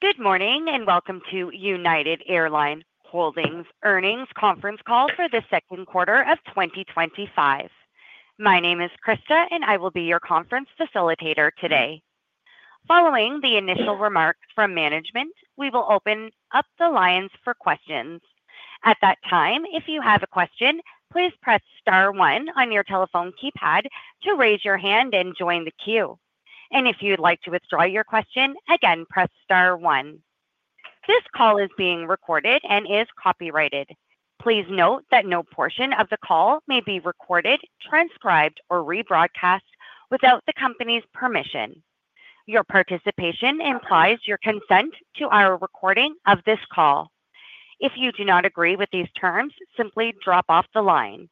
Good morning and welcome to United Airlines Holdings' earnings conference call for the second quarter of 2025. My name is Kristina, and I will be your conference facilitator today. Following the initial remarks from management, we will open up the lines for questions. At that time, if you have a question, please press star one on your telephone keypad to raise your hand and join the queue. And if you'd like to withdraw your question, again, press star one. This call is being recorded and is copyrighted. Please note that no portion of the call may be recorded, transcribed, or rebroadcast without the company's permission. Your participation implies your consent to our recording of this call. If you do not agree with these terms, simply drop off the line.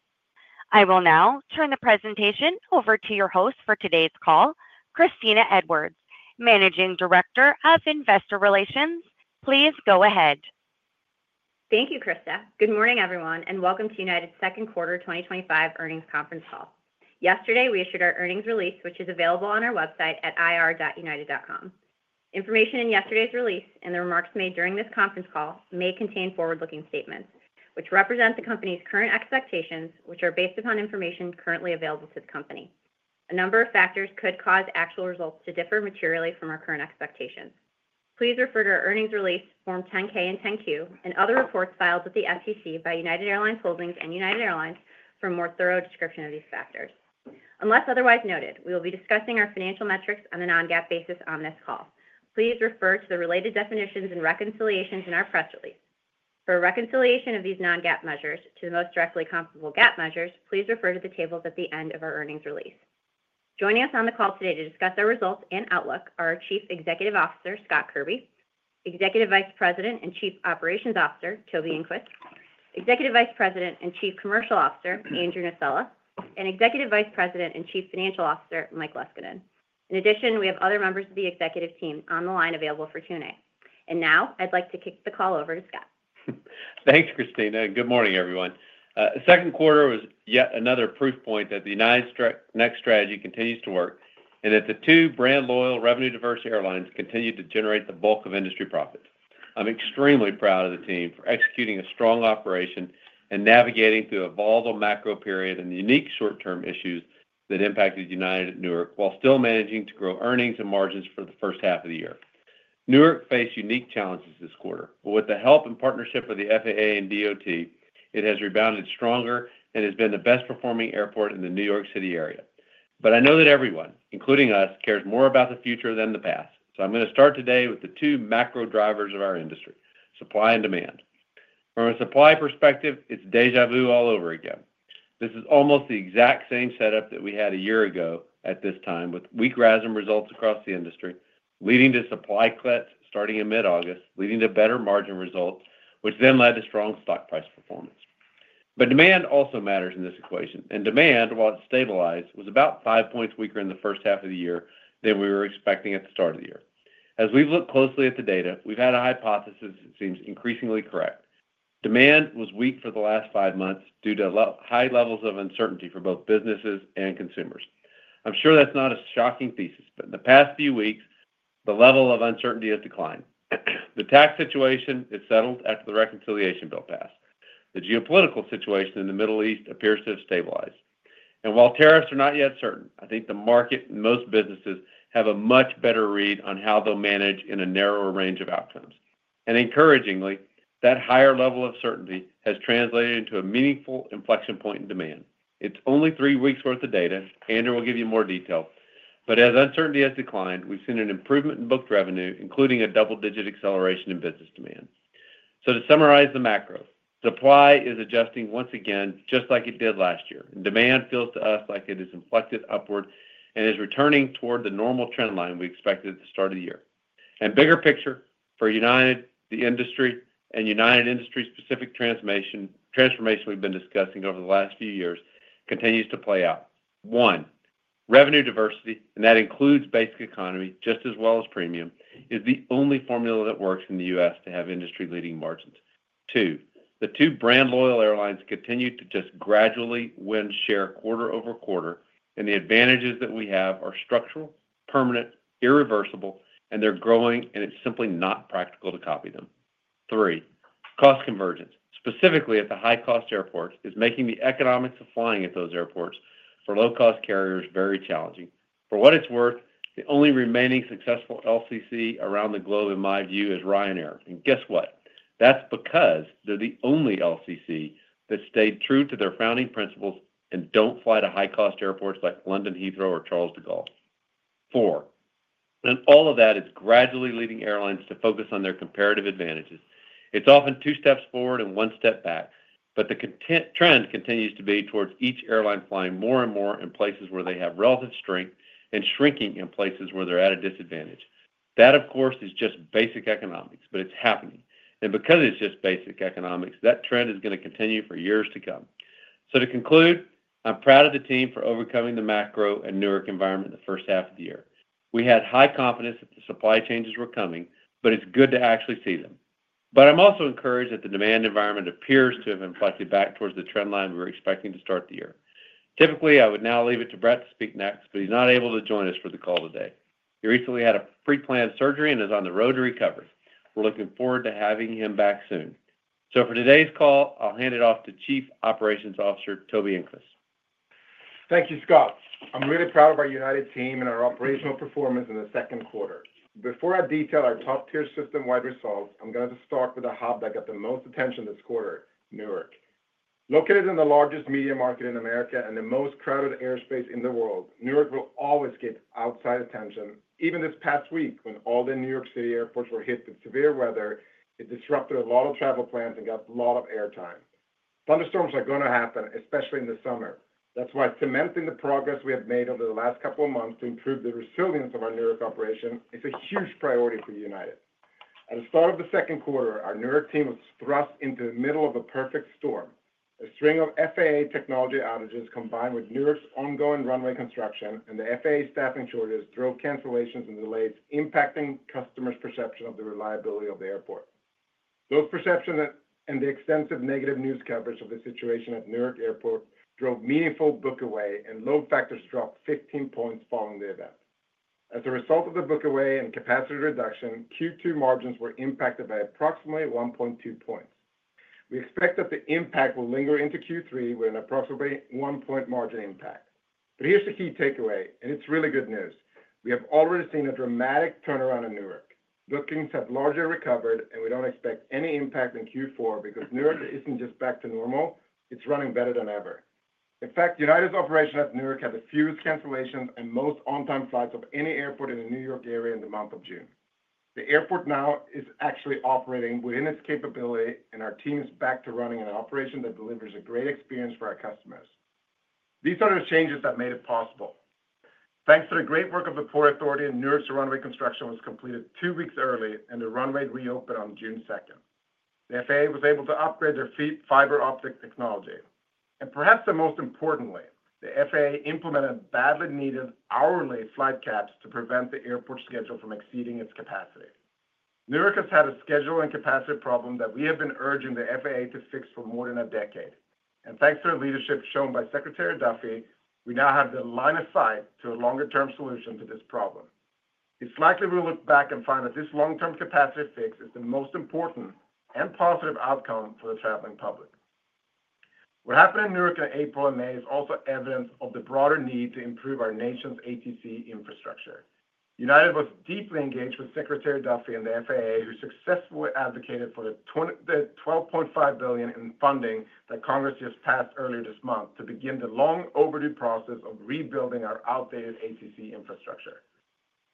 I will now turn the presentation over to your host for today's call, Kristina Edwards, Managing Director of Investor Relations. Please go ahead. Thank you, Kristina. Good morning, everyone, and welcome to United's second quarter 2025 earnings conference call. Yesterday, we issued our earnings release, which is available on our website at ir.united.com. Information in yesterday's release and the remarks made during this conference call may contain forward-looking statements which represent the company's current expectations, which are based upon information currently available to the company. A number of factors could cause actual results to differ materially from our current expectations. Please refer to our earnings release, Form 10-K and 10-Q, and other reports filed with the SEC by United Airlines Holdings and United Airlines for a more thorough description of these factors. Unless otherwise noted, we will be discussing our financial metrics on a non-GAAP basis on this call. Please refer to the related definitions and reconciliations in our press release. For reconciliation of these non-GAAP measures to the most directly comparable GAAP measures, please refer to the tables at the end of our earnings release. Joining us on the call today to discuss our results and outlook are our Chief Executive Officer, Scott Kirby, Executive Vice President and Chief Operations Officer, Toby Enqvist, Executive Vice President and Chief Commercial Officer, Andrew Nocella, and Executive Vice President and Chief Financial Officer, Mike Leskinen. In addition, we have other members of the executive team on the line available for Q&A. And now I'd like to kick the call over to Scott. Thanks, Kristina. Good morning, everyone. The second quarter was yet another proof point that the United Next strategy continues to work and that the two brand-loyal, revenue-diverse airlines continue to generate the bulk of industry profits. I'm extremely proud of the team for executing a strong operation and navigating through a volatile macro period and the unique short-term issues that impacted United at Newark while still managing to grow earnings and margins for the first half of the year. Newark faced unique challenges this quarter, but with the help and partnership of the FAA and DOT, it has rebounded stronger and has been the best-performing airport in the New York City area. But I know that everyone, including us, cares more about the future than the past. So I'm going to start today with the two macro drivers of our industry: supply and demand. From a supply perspective, it's déjà vu all over again. This is almost the exact same setup that we had a year ago at this time, with weak RASM results across the industry, leading to supply cuts starting in mid-August, leading to better margin results, which then led to strong stock price performance. But demand also matters in this equation. And demand, while it stabilized, was about five points weaker in the first half of the year than we were expecting at the start of the year. As we've looked closely at the data, we've had a hypothesis that seems increasingly correct. Demand was weak for the last five months due to high levels of uncertainty for both businesses and consumers. I'm sure that's not a shocking thesis, but in the past few weeks, the level of uncertainty has declined. The tax situation is settled after the reconciliation bill passed. The geopolitical situation in the Middle East appears to have stabilized. And while tariffs are not yet certain, I think the market and most businesses have a much better read on how they'll manage in a narrower range of outcomes. And encouragingly, that higher level of certainty has translated into a meaningful inflection point in demand. It's only three weeks' worth of data. Andrew will give you more detail. But as uncertainty has declined, we've seen an improvement in booked revenue, including a double-digit acceleration in business demand. So to summarize the macro, supply is adjusting once again, just like it did last year. And demand feels to us like it is inflected upward and is returning toward the normal trend line we expected at the start of the year. And bigger picture for United, the industry, and United Airlines' specific transformation we've been discussing over the last few years continues to play out. One, revenue diversity, and that includes Basic Economy just as well as premium, is the only formula that works in the U.S. to have industry-leading margins. Two, the two brand-loyal airlines continue to just gradually win share quarter over quarter, and the advantages that we have are structural, permanent, irreversible, and they're growing, and it's simply not practical to copy them. Three, cost convergence, specifically at the high-cost airports, is making the economics of flying at those airports for low-cost carriers very challenging. For what it's worth, the only remaining successful LCC around the globe, in my view, is Ryanair, and guess what? That's because they're the only LCC that stayed true to their founding principles and don't fly to high-cost airports like London Heathrow or Charles de Gaulle. Four, and all of that is gradually leading airlines to focus on their comparative advantages. It's often two steps forward and one step back, but the trend continues to be towards each airline flying more and more in places where they have relative strength and shrinking in places where they're at a disadvantage. That, of course, is just basic economics, but it's happening, and because it's just basic economics, that trend is going to continue for years to come, so to conclude, I'm proud of the team for overcoming the macro and Newark environment in the first half of the year. We had high confidence that the supply changes were coming, but it's good to actually see them, but I'm also encouraged that the demand environment appears to have inflected back towards the trend line we were expecting to start the year. Typically, I would now leave it to Brett to speak next, but he's not able to join us for the call today. He recently had a pre-planned surgery and is on the road to recovery. We're looking forward to having him back soon, so for today's call, I'll hand it off to Chief Operations Officer Toby Enqvist. Thank you, Scott. I'm really proud of our United team and our operational performance in the second quarter. Before I detail our top-tier system-wide results, I'm going to start with a hub that got the most attention this quarter: Newark. Located in the largest media market in America and the most crowded airspace in the world, Newark will always get outside attention. Even this past week, when all the New York City airports were hit with severe weather, it disrupted a lot of travel plans and got a lot of airtime. Thunderstorms are going to happen, especially in the summer. That's why cementing the progress we have made over the last couple of months to improve the resilience of our Newark operation is a huge priority for United. At the start of the second quarter, our Newark team was thrust into the middle of a perfect storm. A string of FAA technology outages combined with Newark's ongoing runway construction and the FAA staffing shortages drove cancellations and delays, impacting customers' perception of the reliability of the airport. Those perceptions and the extensive negative news coverage of the situation at Newark Airport drove meaningful book away, and load factors dropped 15 points following the event. As a result of the book away and capacity reduction, Q2 margins were impacted by approximately 1.2 points. We expect that the impact will linger into Q3 with an approximately one-point margin impact. But here's the key takeaway, and it's really good news. We have already seen a dramatic turnaround in Newark. Bookings have largely recovered, and we don't expect any impact in Q4 because Newark isn't just back to normal; it's running better than ever. In fact, United's operation at Newark had the fewest cancellations and most on-time flights of any airport in the New York area in the month of June. The airport now is actually operating within its capability, and our team is back to running an operation that delivers a great experience for our customers. These are the changes that made it possible. Thanks to the great work of the Port Authority, Newark's runway construction was completed two weeks early, and the runway reopened on June 2nd. The FAA was able to upgrade their fiber optic technology. And perhaps the most importantly, the FAA implemented badly needed hourly flight caps to prevent the airport schedule from exceeding its capacity. Newark has had a schedule and capacity problem that we have been urging the FAA to fix for more than a decade. And thanks to the leadership shown by Secretary Buttigieg, we now have the line of sight to a longer-term solution to this problem. It's likely we'll look back and find that this long-term capacity fix is the most important and positive outcome for the traveling public. What happened in Newark in April and May is also evidence of the broader need to improve our nation's ATC infrastructure. United was deeply engaged with Secretary Buttigieg and the FAA, who successfully advocated for the $12.5 billion in funding that Congress just passed earlier this month to begin the long-overdue process of rebuilding our outdated ATC infrastructure.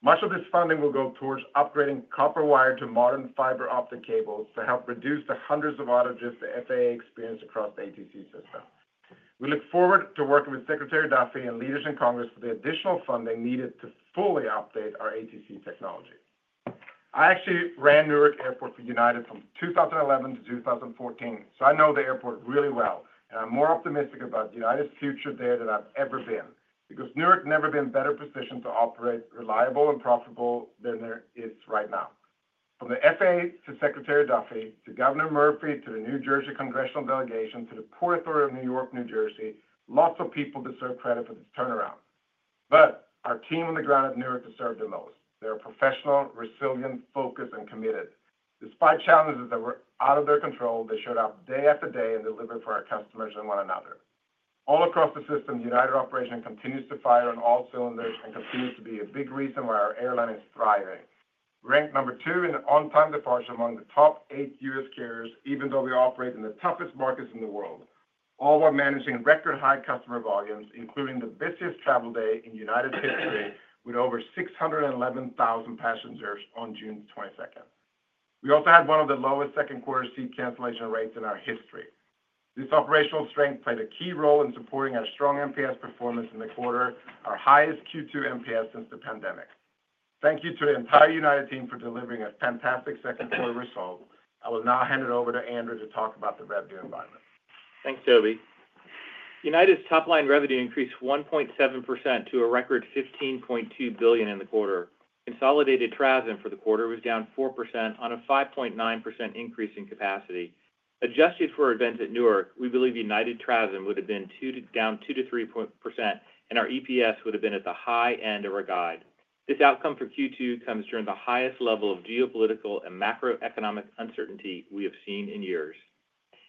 Much of this funding will go towards upgrading copper wire to modern fiber optic cables to help reduce the hundreds of outages the FAA experienced across the ATC system. We look forward to working with Secretary Buttigieg and leaders in Congress for the additional funding needed to fully update our ATC technology. I actually ran Newark Airport for United from 2011-2014, so I know the airport really well, and I'm more optimistic about United's future there than I've ever been because Newark has never been better positioned to operate reliable and profitable than it is right now. From the FAA to Secretary Buttigieg, to Governor Murphy, to the New Jersey congressional delegation, to the Port Authority of New York and New Jersey, lots of people deserve credit for this turnaround. But our team on the ground at Newark deserved the most. They're professional, resilient, focused, and committed. Despite challenges that were out of their control, they showed up day after day and delivered for our customers and one another. All across the system, United Operations continues to fire on all cylinders and continues to be a big reason why our airline is thriving. Ranked number two in on-time departures among the top eight U.S. carriers, even though we operate in the toughest markets in the world, all while managing record-high customer volumes, including the busiest travel day in United's history with over 611,000 passengers on June 22nd. We also had one of the lowest second-quarter seat cancellation rates in our history. This operational strength played a key role in supporting our strong NPS performance in the quarter, our highest Q2 NPS since the pandemic. Thank you to the entire United team for delivering a fantastic second-quarter result. I will now hand it over to Andrew to talk about the revenue environment. Thanks, Toby. United's top-line revenue increased 1.7% to a record $15.2 billion in the quarter. Consolidated RASM for the quarter was down 4% on a 5.9% increase in capacity. Adjusted for events at Newark, we believe United RASM would have been down 2%-3%, and our EPS would have been at the high end of our guide. This outcome for Q2 comes during the highest level of geopolitical and macroeconomic uncertainty we have seen in years.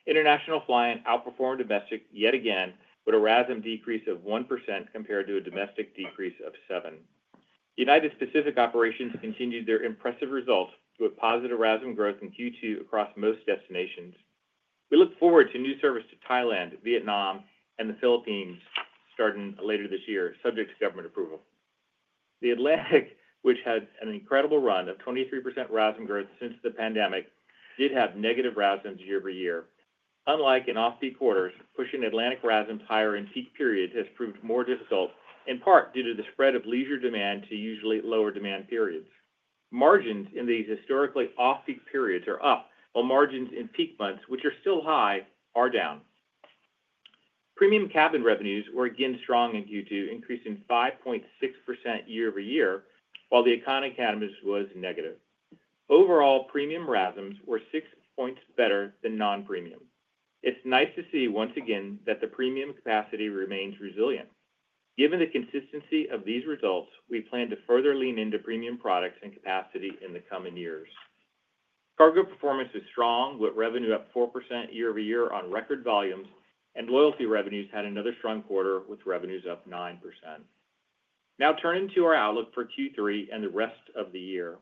International flying outperformed domestic yet again with a RASM decrease of 1% compared to a domestic decrease of 7%. United's Pacific operations continued their impressive results with positive RASM growth in Q2 across most destinations. We look forward to new service to Thailand, Vietnam, and the Philippines starting later this year, subject to government approval. The Atlantic, which had an incredible run of 23% RASM growth since the pandemic, did have negative RASMs year-over-year. Unlike in off-peak quarters, pushing Atlantic RASMs higher in peak periods has proved more difficult, in part due to the spread of leisure demand to usually lower demand periods. Margins in these historically off-peak periods are up, while margins in peak months, which are still high, are down. Premium cabin revenues were again strong in Q2, increasing 5.6% year-over-year, while the economy was negative. Overall, premium RASMs were six points better than non-premium. It's nice to see once again that the premium capacity remains resilient. Given the consistency of these results, we plan to further lean into premium products and capacity in the coming years. Cargo performance was strong with revenue up 4% year-over-year on record volumes, and loyalty revenues had another strong quarter with revenues up 9%. Now, turning to our outlook for Q3 and the rest of the year,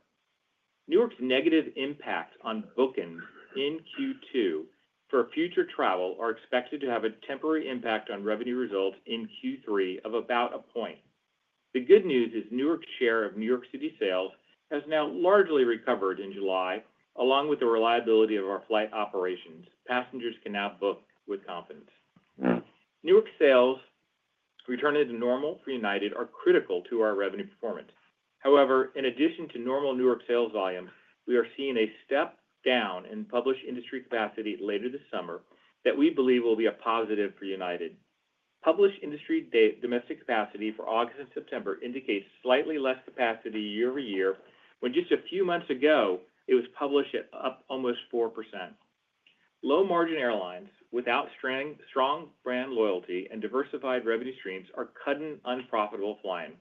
Newark's negative impact on bookings in Q2 for future travel is expected to have a temporary impact on revenue results in Q3 of about a point. The good news is Newark's share of New York City sales has now largely recovered in July, along with the reliability of our flight operations. Passengers can now book with confidence. Newark sales, returning to normal for United, are critical to our revenue performance. However, in addition to normal Newark sales volumes, we are seeing a step down in published industry capacity later this summer that we believe will be a positive for United. Published industry domestic capacity for August and September indicates slightly less capacity year-over-year, when just a few months ago, it was published at almost 4%. Low-margin airlines without strong brand loyalty and diversified revenue streams are cutting unprofitable flying.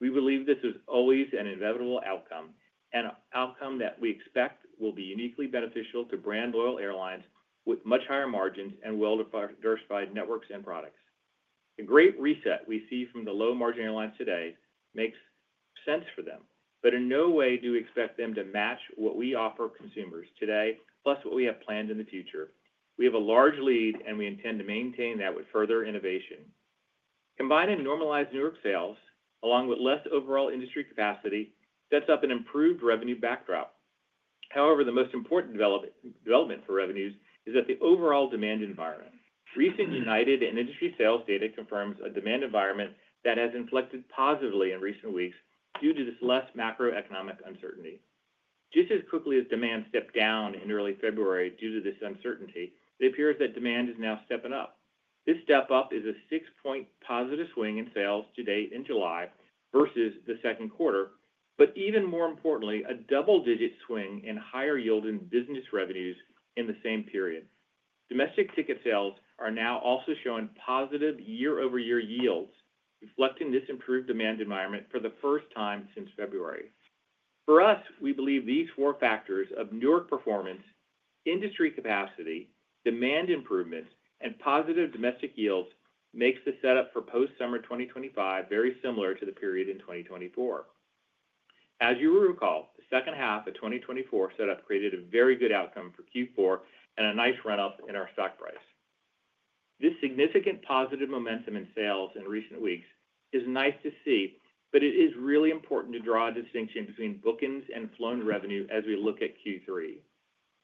We believe this is always an inevitable outcome, an outcome that we expect will be uniquely beneficial to brand-loyal airlines with much higher margins and well-diversified networks and products. A great reset we see from the low-margin airlines today makes sense for them, but in no way do we expect them to match what we offer consumers today, plus what we have planned in the future. We have a large lead, and we intend to maintain that with further innovation. Combining normalized Newark sales, along with less overall industry capacity, sets up an improved revenue backdrop. However, the most important development for revenues is the overall demand environment. Recent United and Industry Sales Data confirms a demand environment that has inflected positively in recent weeks due to this less macroeconomic uncertainty. Just as quickly as demand stepped down in early February due to this uncertainty, it appears that demand is now stepping up. This step up is a six-point positive swing in sales to date in July versus the second quarter, but even more importantly, a double-digit swing in higher yielding business revenues in the same period. Domestic ticket sales are now also showing positive year-over-year yields, reflecting this improved demand environment for the first time since February. For us, we believe these four factors of Newark performance, industry capacity, demand improvements, and positive domestic yields make the setup for post-summer 2025 very similar to the period in 2024. As you will recall, the second half of 2024 setup created a very good outcome for Q4 and a nice run-up in our stock price. This significant positive momentum in sales in recent weeks is nice to see, but it is really important to draw a distinction between bookings and flown revenue as we look at Q3.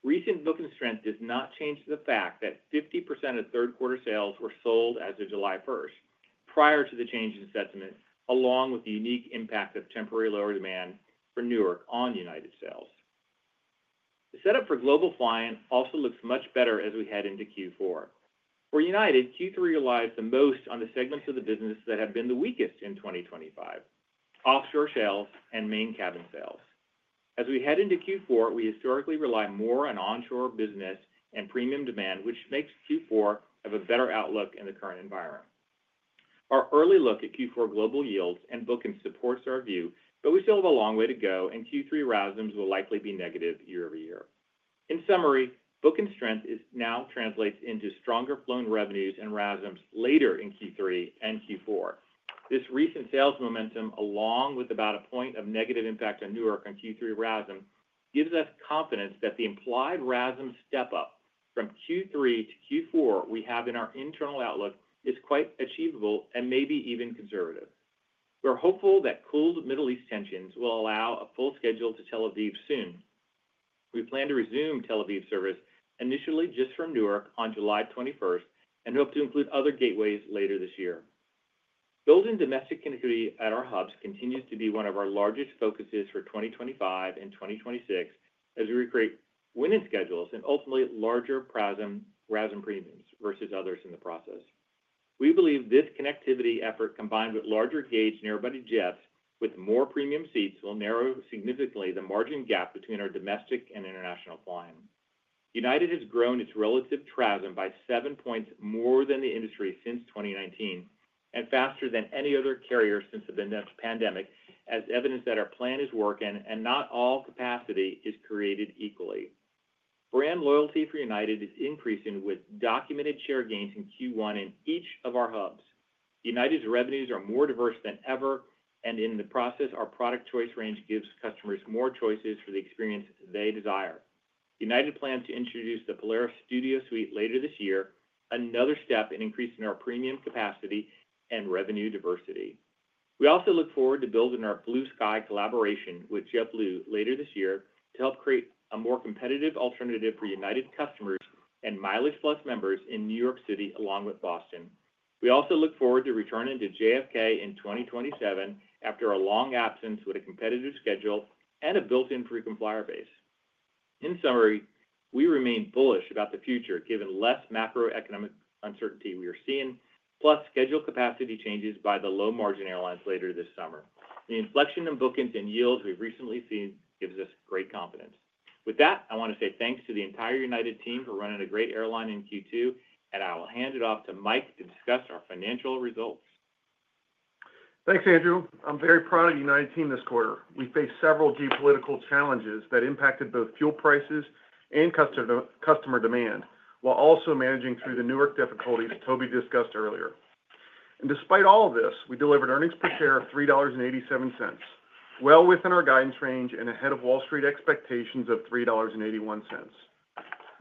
Recent booking strength does not change the fact that 50% of third-quarter sales were sold as of July 1st prior to the change in sentiment, along with the unique impact of temporary lower demand for Newark on United sales. The setup for global flying also looks much better as we head into Q4. For United, Q3 relies the most on the segments of the business that have been the weakest in 2025: offshore sales and main cabin sales. As we head into Q4, we historically rely more on onshore business and premium demand, which makes Q4 have a better outlook in the current environment. Our early look at Q4 global yields and bookings supports our view, but we still have a long way to go, and Q3 RASMs will likely be negative year over year. In summary, booking strength now translates into stronger flown revenues and RASMs later in Q3 and Q4. This recent sales momentum, along with about a point of negative impact on Newark on Q3 RASM, gives us confidence that the implied RASM step up from Q3-Q4 we have in our internal outlook is quite achievable and maybe even conservative. We're hopeful that cooled Middle East tensions will allow a full schedule to Tel Aviv soon. We plan to resume Tel Aviv service initially just from Newark on July 21st and hope to include other gateways later this year. Building domestic connectivity at our hubs continues to be one of our largest focuses for 2025 and 2026 as we recreate winning schedules and ultimately larger RASM premiums versus others in the process. We believe this connectivity effort, combined with larger gauge nearby jets with more premium seats, will narrow significantly the margin gap between our domestic and international flying. United has grown its relative PRASM by seven points more than the industry since 2019 and faster than any other carrier since the pandemic, as evidence that our plan is working and not all capacity is created equally. Brand loyalty for United is increasing with documented share gains in Q1 in each of our hubs. United's revenues are more diverse than ever, and in the process, our product choice range gives customers more choices for the experience they desire. United plans to introduce the Polaris Studio Suite later this year, another step in increasing our premium capacity and revenue diversity. We also look forward to building our Blue Sky collaboration with JetBlue later this year to help create a more competitive alternative for United customers and MileagePlus members in New York City, along with Boston. We also look forward to returning to JFK in 2027 after a long absence with a competitive schedule and a built-in frequent flyer base. In summary, we remain bullish about the future given less macroeconomic uncertainty we are seeing, plus schedule capacity changes by the low-margin airlines later this summer. The inflection in bookings and yields we've recently seen gives us great confidence. With that, I want to say thanks to the entire United team for running a great airline in Q2, and I will hand it off to Mike to discuss our financial results. Thanks, Andrew. I'm very proud of the United team this quarter. We faced several geopolitical challenges that impacted both fuel prices and customer demand, while also managing through the Newark difficulties Toby discussed earlier. And despite all of this, we delivered earnings per share of $3.87, well within our guidance range and ahead of Wall Street expectations of $3.81.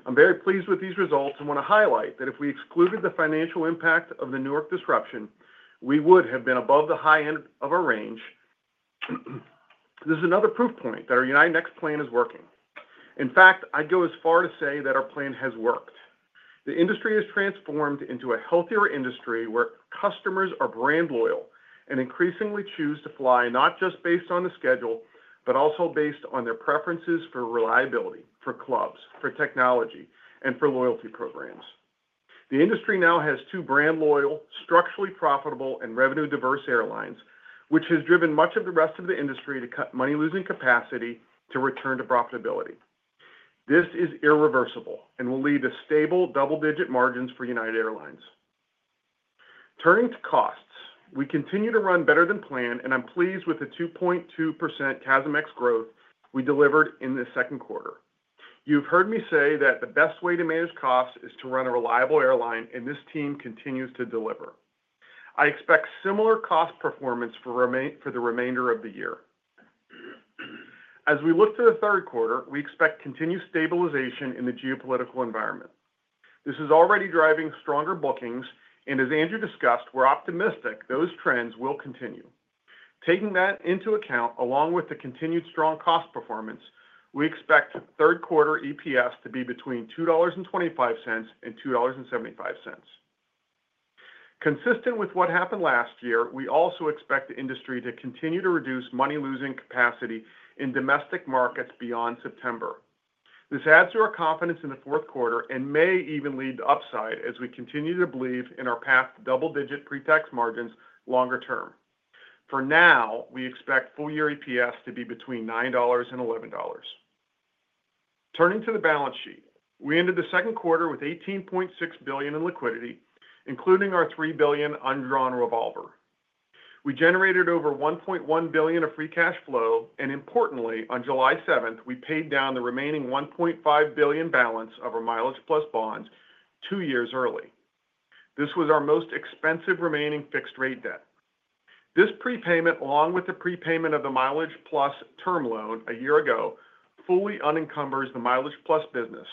I'm very pleased with these results and want to highlight that if we excluded the financial impact of the Newark disruption, we would have been above the high end of our range. This is another proof point that our United Next plan is working. In fact, I'd go as far to say that our plan has worked. The industry has transformed into a healthier industry where customers are brand loyal and increasingly choose to fly not just based on the schedule, but also based on their preferences for reliability, for clubs, for technology, and for loyalty programs. The industry now has two brand loyal, structurally profitable, and revenue-diverse airlines, which has driven much of the rest of the industry to cut money-losing capacity to return to profitability. This is irreversible and will lead to stable double-digit margins for United Airlines. Turning to costs, we continue to run better than planned, and I'm pleased with the 2.2% CASMx growth we delivered in the second quarter. You've heard me say that the best way to manage costs is to run a reliable airline, and this team continues to deliver. I expect similar cost performance for the remainder of the year. As we look to the third quarter, we expect continued stabilization in the geopolitical environment. This is already driving stronger bookings, and as Andrew discussed, we're optimistic those trends will continue. Taking that into account, along with the continued strong cost performance, we expect third-quarter EPS to be between $2.25 and $2.75. Consistent with what happened last year, we also expect the industry to continue to reduce money-losing capacity in domestic markets beyond September. This adds to our confidence in the fourth quarter and may even lead to upside as we continue to believe in our past double-digit pre-tax margins longer term. For now, we expect full-year EPS to be between $9 and $11. Turning to the balance sheet, we ended the second quarter with $18.6 billion in liquidity, including our $3 billion undrawn revolver. We generated over $1.1 billion of free cash flow, and importantly, on July 7th, we paid down the remaining $1.5 billion balance of our MileagePlus bonds two years early. This was our most expensive remaining fixed-rate debt. This prepayment, along with the prepayment of the MileagePlus term loan a year ago, fully unencumbers the MileagePlus business,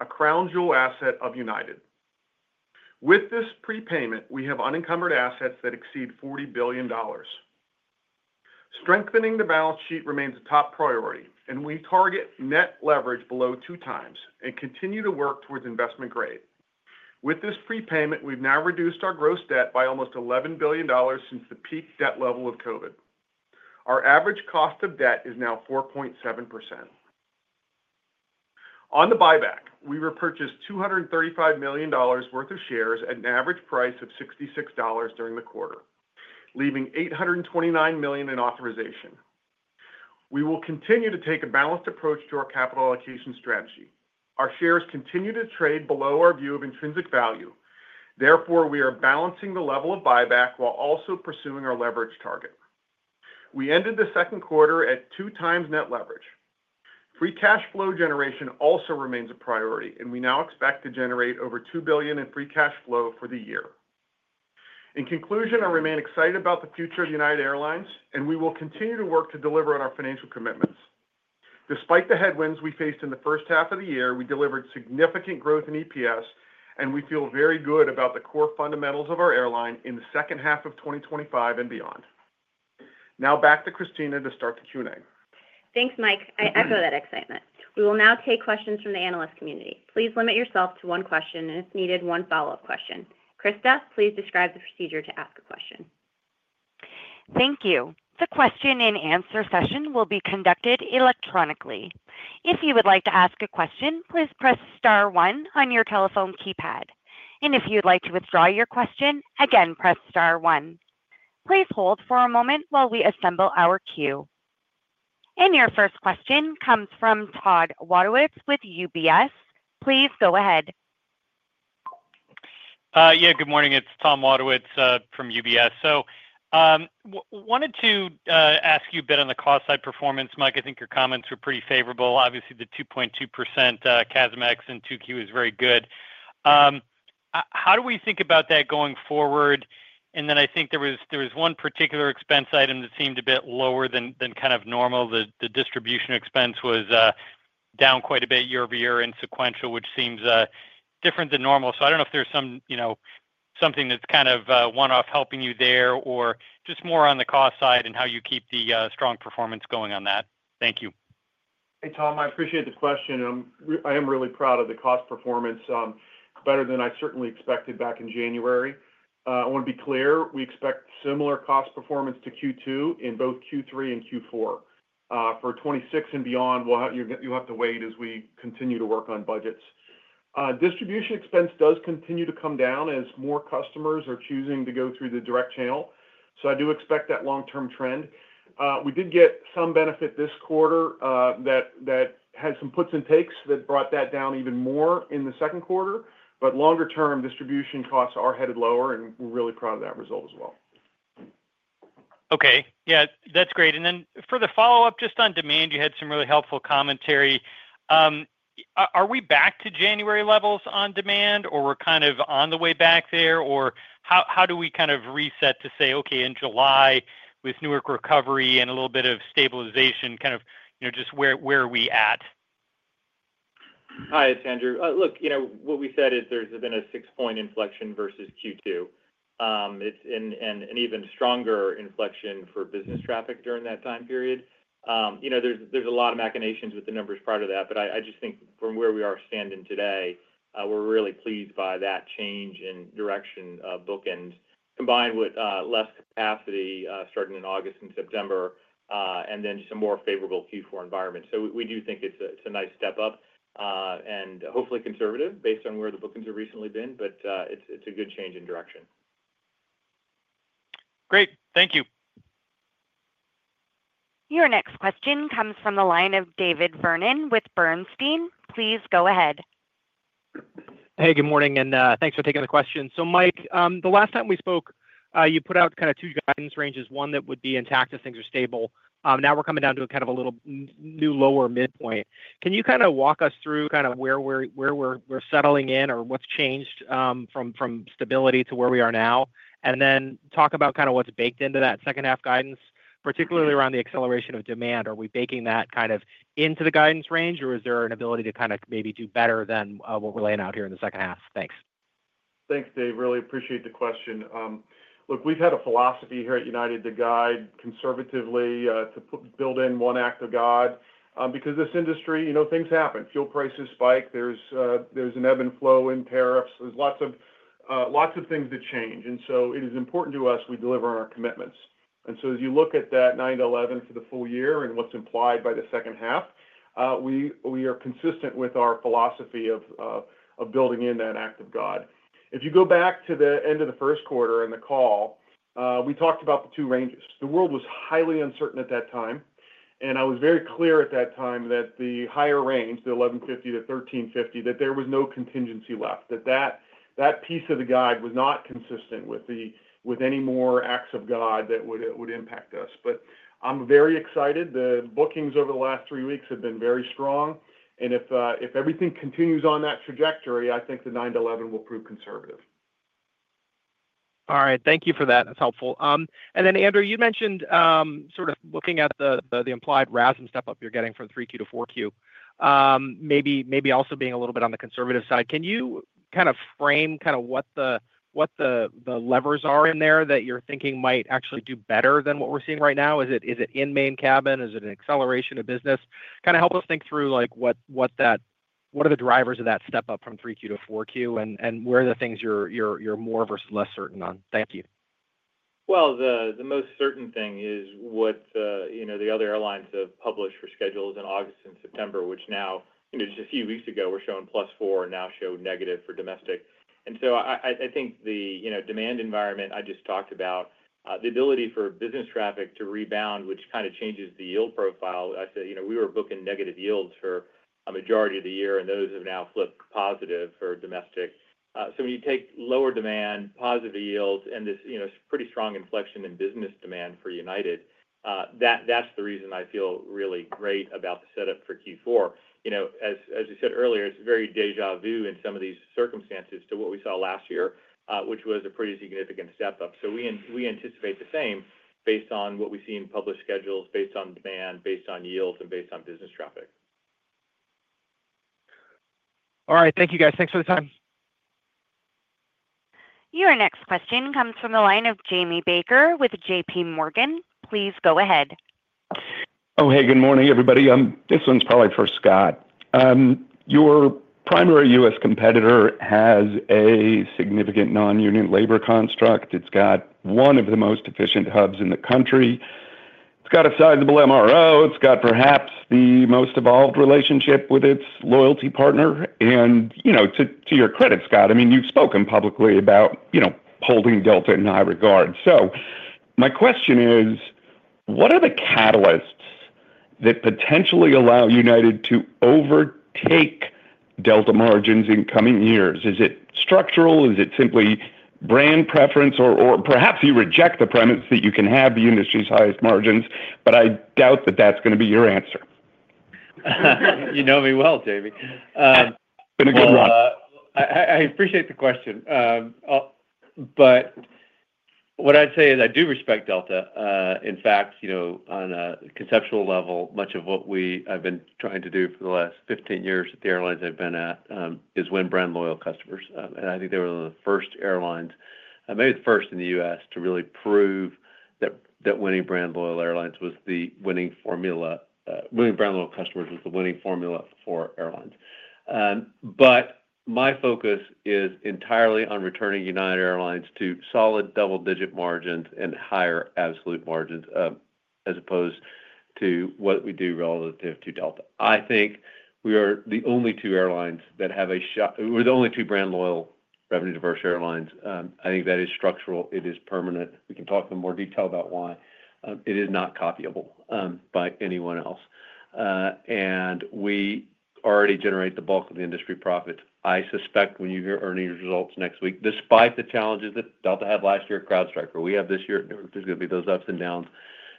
a crown jewel asset of United. With this prepayment, we have unencumbered assets that exceed $40 billion. Strengthening the balance sheet remains a top priority, and we target net leverage below two times and continue to work towards investment grade. With this prepayment, we've now reduced our gross debt by almost $11 billion since the peak debt level of COVID. Our average cost of debt is now 4.7%. On the buyback, we repurchased $235 million worth of shares at an average price of $66 during the quarter, leaving $829 million in authorization. We will continue to take a balanced approach to our capital allocation strategy. Our shares continue to trade below our view of intrinsic value. Therefore, we are balancing the level of buyback while also pursuing our leverage target. We ended the second quarter at two times net leverage. Free cash flow generation also remains a priority, and we now expect to generate over $2 billion in free cash flow for the year. In conclusion, I remain excited about the future of United Airlines, and we will continue to work to deliver on our financial commitments. Despite the headwinds we faced in the first half of the year, we delivered significant growth in EPS, and we feel very good about the core fundamentals of our airline in the second half of 2025 and beyond. Now, back to Kristina to start the Q&A. Thanks, Mike. I feel that excitement. We will now take questions from the analyst community. Please limit yourself to one question and, if needed, one follow-up question. Kristina, please describe the procedure to ask a question. Thank you. The question-and-answer session will be conducted electronically. If you would like to ask a question, please press Star one on your telephone keypad. And if you'd like to withdraw your question, again, press Star one. Please hold for a moment while we assemble our queue. And your first question comes from Tom Wadewitz with UBS. Please go ahead. Yeah. Good morning. It's Tom Wadewitz from UBS. So. Wanted to ask you a bit on the cost-side performance. Mike, I think your comments were pretty favorable. Obviously, the 2.2% CASMx and 2Q is very good. How do we think about that going forward? And then I think there was one particular expense item that seemed a bit lower than kind of normal. The distribution expense was down quite a bit year over year in sequential, which seems different than normal. So I don't know if there's something that's kind of one-off helping you there or just more on the cost side and how you keep the strong performance going on that. Thank you. Hey, Tom. I appreciate the question. I am really proud of the cost performance, better than I certainly expected back in January. I want to be clear, we expect similar cost performance to Q2 in both Q3 and Q4. For 2026 and beyond, you'll have to wait as we continue to work on budgets. Distribution expense does continue to come down as more customers are choosing to go through the direct channel. So I do expect that long-term trend. We did get some benefit this quarter that had some puts and takes that brought that down even more in the second quarter. But longer-term distribution costs are headed lower, and we're really proud of that result as well. Okay. Yeah. That's great. And then for the follow-up, just on demand, you had some really helpful commentary. Are we back to January levels on demand, or we're kind of on the way back there, or how do we kind of reset to say, "Okay, in July with Newark recovery and a little bit of stabilization, kind of just where are we at? Hi, it's Andrew. Look, what we said is there's been a six-point inflection versus Q2 and an even stronger inflection for business traffic during that time period. There's a lot of machinations with the numbers prior to that, but I just think from where we are standing today, we're really pleased by that change in direction of bookings combined with less capacity starting in August and September and then some more favorable Q4 environment, so we do think it's a nice step up and hopefully conservative based on where the bookings have recently been, but it's a good change in direction. Great. Thank you. Your next question comes from the line of David Vernon with Bernstein. Please go ahead. Hey, good morning, and thanks for taking the question. So Mike, the last time we spoke, you put out kind of two guidance ranges, one that would be intact if things are stable. Now we're coming down to kind of a little new lower midpoint. Can you kind of walk us through kind of where we're settling in or what's changed from stability to where we are now, and then talk about kind of what's baked into that second-half guidance, particularly around the acceleration of demand? Are we baking that kind of into the guidance range, or is there an ability to kind of maybe do better than what we're laying out here in the second half? Thanks. Thanks, Dave. Really appreciate the question. Look, we've had a philosophy here at United to guide conservatively to build in one act of God. Because this industry, things happen. Fuel prices spike. There's an ebb and flow in tariffs. There's lots of things that change. And so it is important to us we deliver on our commitments. And so as you look at that $9-$11 for the full year and what's implied by the second half, we are consistent with our philosophy of building in that act of God. If you go back to the end of the first quarter and the call, we talked about the two ranges. The world was highly uncertain at that time. And I was very clear at that time that the higher range, the $11.50-$13.50, that there was no contingency left, that that piece of the guide was not consistent with any more acts of God that would impact us. But I'm very excited. The bookings over the last three weeks have been very strong. And if everything continues on that trajectory, I think the $9-$11 will prove conservative. All right. Thank you for that. That's helpful. And then, Andrew, you mentioned sort of looking at the implied RASM step-up you're getting from 3Q-4Q. Maybe also being a little bit on the conservative side. Can you kind of frame kind of what the levers are in there that you're thinking might actually do better than what we're seeing right now? Is it in main cabin? Is it an acceleration of business? Kind of help us think through what are the drivers of that step-up from 3Q-4Q, and where are the things you're more versus less certain on? Thank you. The most certain thing is what the other airlines have published for schedules in August and September, which now, just a few weeks ago, were showing +4% and now show negative for domestic. I think the demand environment I just talked about, the ability for business traffic to rebound, which kind of changes the yield profile. I said we were booking negative yields for a majority of the year, and those have now flipped positive for domestic. When you take lower demand, positive yields, and this pretty strong inflection in business demand for United. That's the reason I feel really great about the setup for Q4. As we said earlier, it's very déjà vu in some of these circumstances to what we saw last year, which was a pretty significant step-up. We anticipate the same based on what we see in published schedules, based on demand, based on yields, and based on business traffic. All right. Thank you, guys. Thanks for the time. Your next question comes from the line of Jamie Baker with JPMorgan. Please go ahead. Oh, hey, good morning, everybody. This one's probably for Scott. Your primary U.S. competitor has a significant non-union labor construct. It's got one of the most efficient hubs in the country. It's got a sizable MRO. It's got perhaps the most evolved relationship with its loyalty partner. And to your credit, Scott, I mean, you've spoken publicly about holding Delta in high regard. So my question is, what are the catalysts that potentially allow United to overtake Delta margins in coming years? Is it structural? Is it simply brand preference? Or perhaps you reject the premise that you can have the industry's highest margins, but I doubt that that's going to be your answer. You know me well, Jamie. It's been a good one. I appreciate the question, but what I'd say is I do respect Delta. In fact, on a conceptual level, much of what I've been trying to do for the last 15 years at the airlines I've been at is win brand loyal customers, and I think they were one of the first airlines, maybe the first in the U.S., to really prove that winning brand loyal airlines was the winning formula. Winning brand loyal customers was the winning formula for airlines, but my focus is entirely on returning United Airlines to solid double-digit margins and higher absolute margins as opposed to what we do relative to Delta. I think we are the only two airlines that have a shot. We're the only two brand loyal, revenue-diverse airlines. I think that is structural. It is permanent. We can talk in more detail about why. It is not copyable by anyone else, and we already generate the bulk of the industry profits. I suspect when you hear earnings results next week, despite the challenges that Delta had last year at CrowdStrike, or we have this year, there's going to be those ups and downs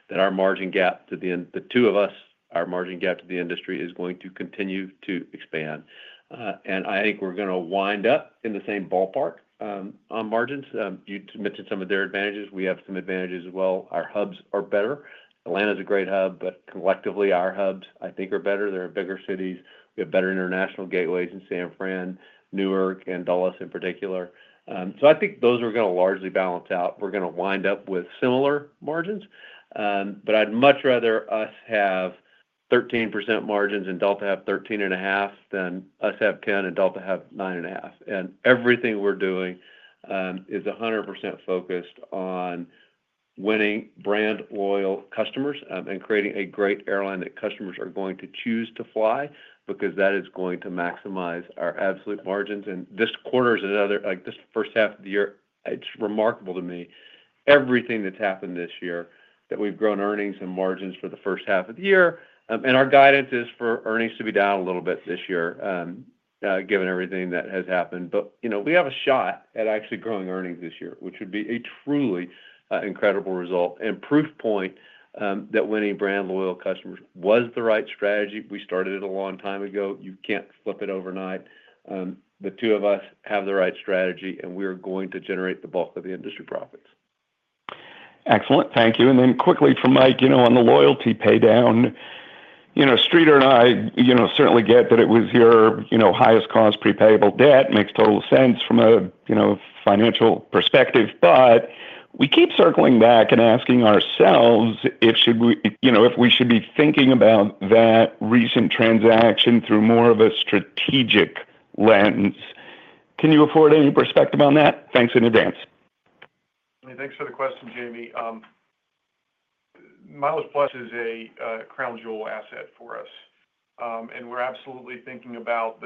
that our margin gap to the end, the two of us, our margin gap to the industry is going to continue to expand, and I think we're going to wind up in the same ballpark on margins. You mentioned some of their advantages. We have some advantages as well. Our hubs are better. Atlanta is a great hub, but collectively, our hubs, I think, are better. They're in bigger cities. We have better international gateways in San Fran, Newark, and Dulles in particular, so I think those are going to largely balance out. We're going to wind up with similar margins, but I'd much rather us have 13% margins and Delta have 13.5% than us have 10% and Delta have 9.5%, and everything we're doing is 100% focused on winning brand loyal customers and creating a great airline that customers are going to choose to fly because that is going to maximize our absolute margins, and this quarter is another, this first half of the year, it's remarkable to me, everything that's happened this year that we've grown earnings and margins for the first half of the year, and our guidance is for earnings to be down a little bit this year, given everything that has happened, but we have a shot at actually growing earnings this year, which would be a truly incredible result and proof point that winning brand loyal customers was the right strategy. We started it a long time ago. You can't flip it overnight. The two of us have the right strategy, and we are going to generate the bulk of the industry profits. Excellent. Thank you. And then quickly for Mike on the loyalty paydown. Streeter and I certainly get that it was your highest cost prepayable debt, makes total sense from a financial perspective. But we keep circling back and asking ourselves if we should be thinking about that recent transaction through more of a strategic lens. Can you offer any perspective on that? Thanks in advance. Thanks for the question, Jamie. MileagePlus is a crown jewel asset for us, and we're absolutely thinking about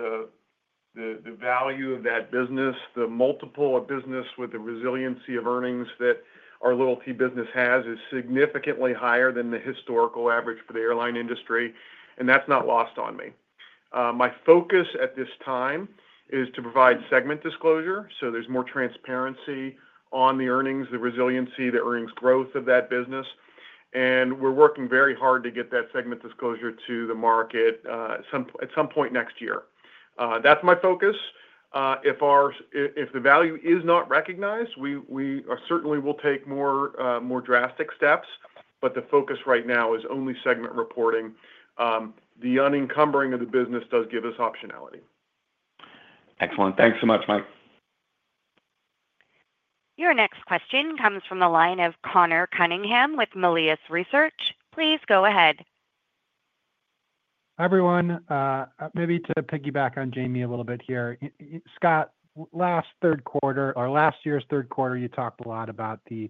the value of that business. The multiple of business with the resiliency of earnings that our loyalty business has is significantly higher than the historical average for the airline industry, and that's not lost on me. My focus at this time is to provide segment disclosure so there's more transparency on the earnings, the resiliency, the earnings growth of that business, and we're working very hard to get that segment disclosure to the market at some point next year. That's my focus. If the value is not recognized, we certainly will take more drastic steps, but the focus right now is only segment reporting. The unencumbering of the business does give us optionality. Excellent. Thanks so much, Mike. Your next question comes from the line of Connor Cunningham with Melius Research. Please go ahead. Hi, everyone. Maybe to piggyback on Jamie a little bit here. Scott, last third quarter or last year's third quarter, you talked a lot about the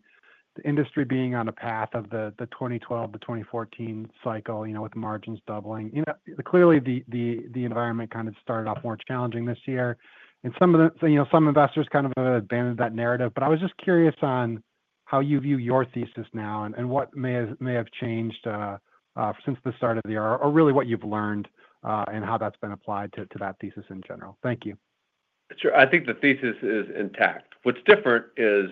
industry being on a path of the 2012-2014 cycle with margins doubling. Clearly, the environment kind of started off more challenging this year. And some investors kind of abandoned that narrative. But I was just curious on how you view your thesis now and what may have changed since the start of the year or really what you've learned and how that's been applied to that thesis in general. Thank you. Sure. I think the thesis is intact. What's different is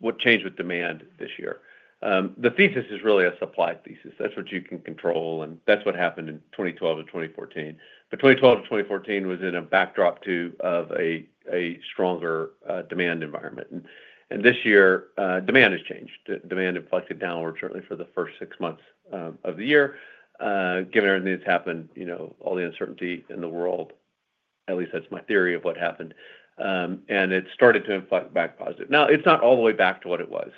what changed with demand this year. The thesis is really a supply thesis. That's what you can control. And that's what happened in 2012-2014. But 2012-2014 was in a backdrop of a stronger demand environment. And this year, demand has changed. Demand inflected downward, certainly, for the first six months of the year. Given everything that's happened, all the uncertainty in the world. At least that's my theory of what happened. And it started to inflect back positive. Now, it's not all the way back to what it was.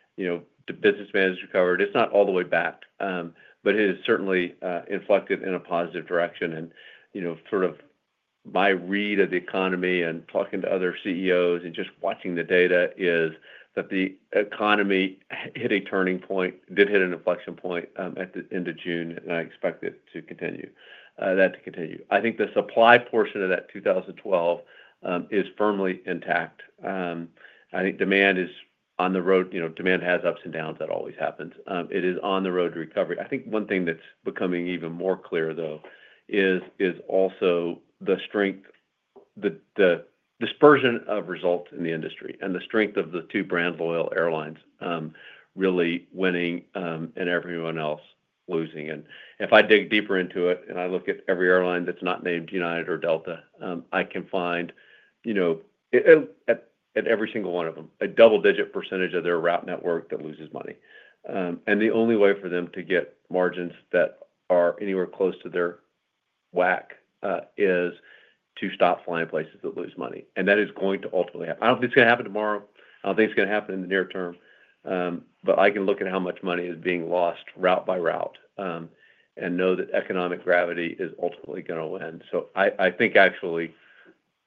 The business managers recovered. It's not all the way back. But it has certainly inflected in a positive direction. And sort of. My read of the economy and talking to other CEOs and just watching the data is that the economy hit a turning point, did hit an inflection point at the end of June, and I expect that to continue. I think the supply portion of that 2012 is firmly intact. I think demand is on the road. Demand has ups and downs. That always happens. It is on the road to recovery. I think one thing that's becoming even more clear, though, is also the strength. The dispersion of results in the industry and the strength of the two brand loyal airlines really winning and everyone else losing. And if I dig deeper into it and I look at every airline that's not named United or Delta, I can find. At every single one of them, a double-digit percentage of their route network that loses money. And the only way for them to get margins that are anywhere close to their whack is to stop flying places that lose money. And that is going to ultimately happen. I don't think it's going to happen tomorrow. I don't think it's going to happen in the near term. But I can look at how much money is being lost route by route. And know that economic gravity is ultimately going to win. So I think, actually,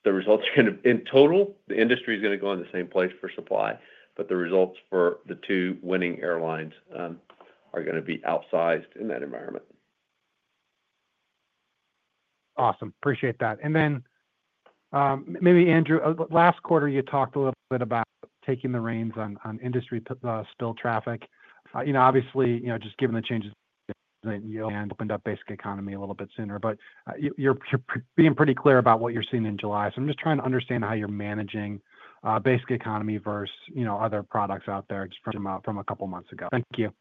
the results are going to be in total, the industry is going to go in the same place for supply, but the results for the two winning airlines are going to be outsized in that environment. Awesome. Appreciate that, and then, maybe, Andrew, last quarter, you talked a little bit about taking the reins on industry spill traffic. Obviously, just given the changes in yield and opened up Basic Economy a little bit sooner, but you're being pretty clear about what you're seeing in July, so I'm just trying to understand how you're managing Basic Economy versus other products out there from a couple of months ago. Thank you.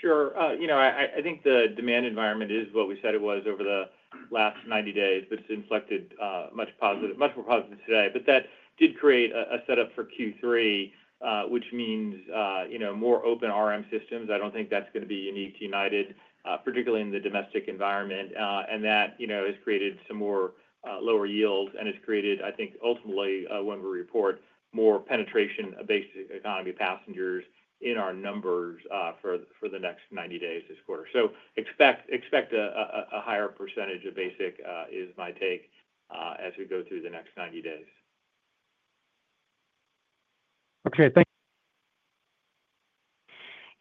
Sure. I think the demand environment is what we said it was over the last 90 days, but it's inflected much more positive today. But that did create a setup for Q3, which means more open RM systems. I don't think that's going to be unique to United, particularly in the domestic environment. And that has created some more lower yields and has created, I think, ultimately, when we report, more penetration-based economy passengers in our numbers for the next 90 days this quarter. So expect a higher percentage of basic is my take as we go through the next 90 days. Okay. Thank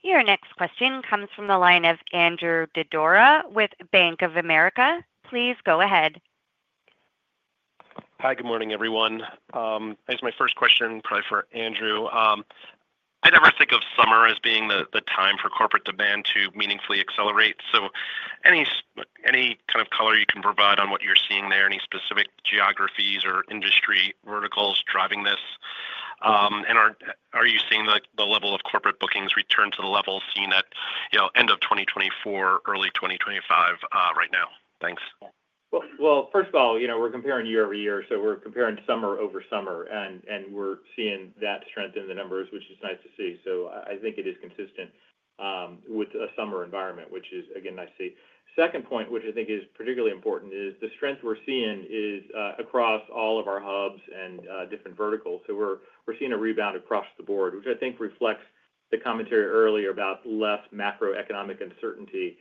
you. Your next question comes from the line of Andrew Didora with Bank of America. Please go ahead. Hi. Good morning, everyone. I guess my first question probably for Andrew. I never think of summer as being the time for corporate demand to meaningfully accelerate. So any kind of color you can provide on what you're seeing there, any specific geographies or industry verticals driving this? And are you seeing the level of corporate bookings return to the level seen at end of 2024, early 2025 right now? Thanks. First of all, we're comparing year over year. We're comparing summer over summer. We're seeing that strength in the numbers, which is nice to see. I think it is consistent with a summer environment, which is, again, nice to see. Second point, which I think is particularly important, is the strength we're seeing is across all of our hubs and different verticals. We're seeing a rebound across the board, which I think reflects the commentary earlier about less macroeconomic uncertainty.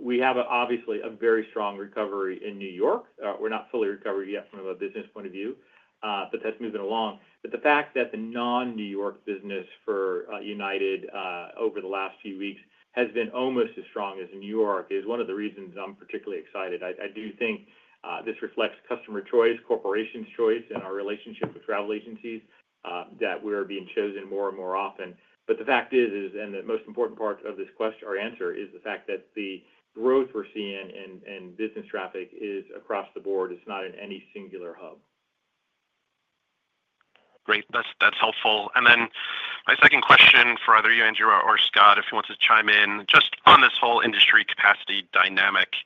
We have, obviously, a very strong recovery in New York. We're not fully recovered yet from a business point of view, but that's moving along. The fact that the non-New York business for United over the last few weeks has been almost as strong as New York is one of the reasons I'm particularly excited. I do think this reflects customer choice, corporation's choice, and our relationship with travel agencies that we're being chosen more and more often. The fact is, and the most important part of our answer is the fact that the growth we're seeing in business traffic is across the board. It's not in any singular hub. Great. That's helpful, and then my second question for either you, Andrew, or Scott, if he wants to chime in just on this whole industry capacity dynamic.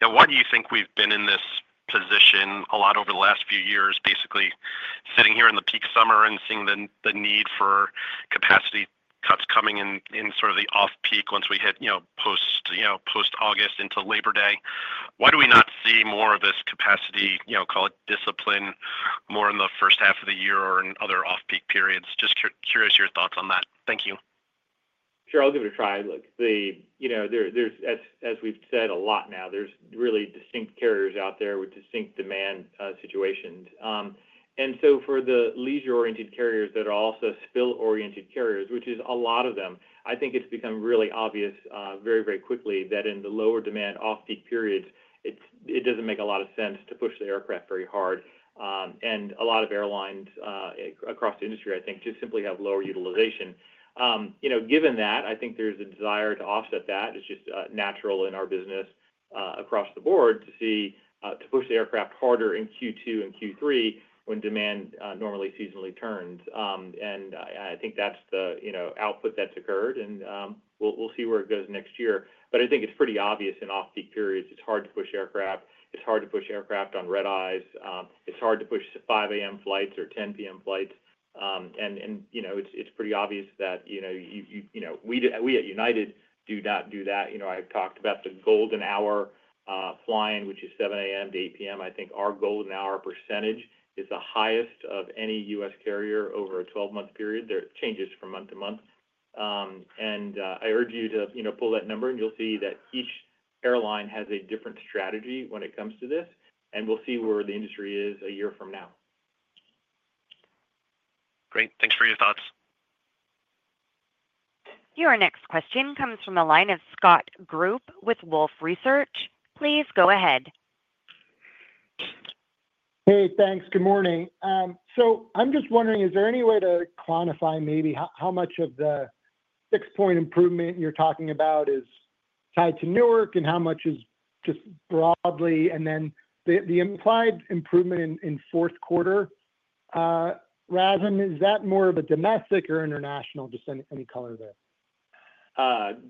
Why do you think we've been in this position a lot over the last few years, basically sitting here in the peak summer and seeing the need for capacity cuts coming in sort of the off-peak once we hit post-August into Labor Day? Why do we not see more of this capacity, call it discipline, more in the first half of the year or in other off-peak periods? Just curious of your thoughts on that. Thank you. Sure. I'll give it a try. As we've said a lot now, there's really distinct carriers out there with distinct demand situations. And so for the leisure-oriented carriers that are also spill-oriented carriers, which is a lot of them, I think it's become really obvious very, very quickly that in the lower demand off-peak periods, it doesn't make a lot of sense to push the aircraft very hard. And a lot of airlines across the industry, I think, just simply have lower utilization. Given that, I think there's a desire to offset that. It's just natural in our business. Across the board to see to push the aircraft harder in Q2 and Q3 when demand normally seasonally turns. And I think that's the output that's occurred. And we'll see where it goes next year. But I think it's pretty obvious in off-peak periods. It's hard to push aircraft. It's hard to push aircraft on red eyes. It's hard to push 5:00 A.M. flights or 10:00 P.M. flights. And it's pretty obvious that we at United do not do that. I've talked about the golden hour flying, which is 7:00 A.M. to 8:00 P.M. I think our golden hour percentage is the highest of any U.S. carrier over a 12-month period. It changes from month to month. And I urge you to pull that number, and you'll see that each airline has a different strategy when it comes to this. And we'll see where the industry is a year from now. Great. Thanks for your thoughts. Your next question comes from the line of Scott Group with Wolfe Research. Please go ahead. Hey, thanks. Good morning. So I'm just wondering, is there any way to quantify maybe how much of the six-point improvement you're talking about is tied to Newark and how much is just broadly? And then the implied improvement in fourth quarter RASM, is that more of a domestic or international? Just any color there.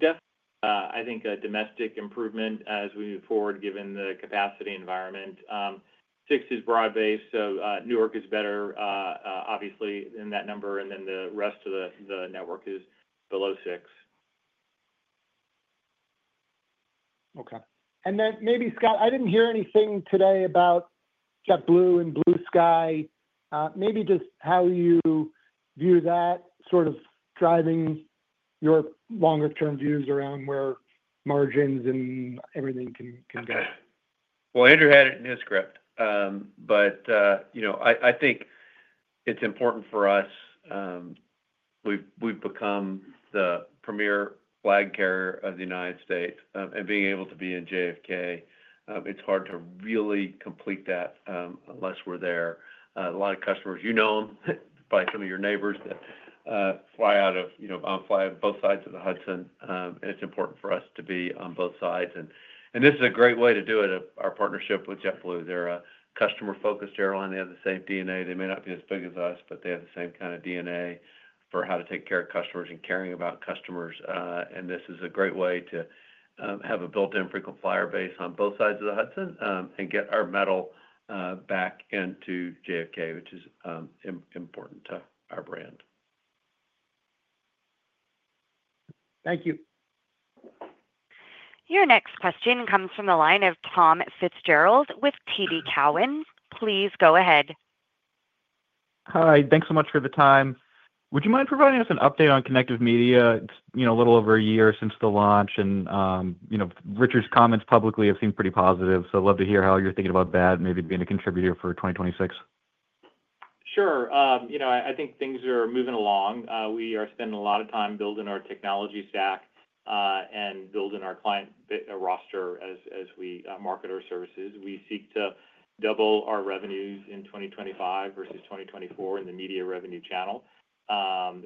Definitely, I think a domestic improvement as we move forward, given the capacity environment. Six is broad-based. So Newark is better, obviously, than that number. And then the rest of the network is below six. Okay. And then maybe, Scott, I didn't hear anything today about JetBlue and Blue Sky. Maybe just how you view that sort of driving your longer-term views around where margins and everything can go? Andrew had it in his script, but I think it's important for us. We've become the premier flag carrier of the United States, and being able to be in JFK, it's hard to really complete that unless we're there. A lot of customers, you know, like some of your neighbors that fly on both sides of the Hudson. It's important for us to be on both sides, and this is a great way to do it, our partnership with JetBlue. They're a customer-focused airline. They have the same DNA. They may not be as big as us, but they have the same kind of DNA for how to take care of customers and caring about customers. This is a great way to have a built-in frequent flyer base on both sides of the Hudson and get our metal back into JFK, which is important to our brand. Thank you. Your next question comes from the line of Tom Fitzgerald with TD Cowen. Please go ahead. Hi. Thanks so much for the time. Would you mind providing us an update on Connective Media? It's a little over a year since the launch. And Richard's comments publicly have seemed pretty positive. So I'd love to hear how you're thinking about that, maybe being a contributor for 2026. Sure. I think things are moving along. We are spending a lot of time building our technology stack and building our client roster as we market our services. We seek to double our revenues in 2025 versus 2024 in the media revenue channel.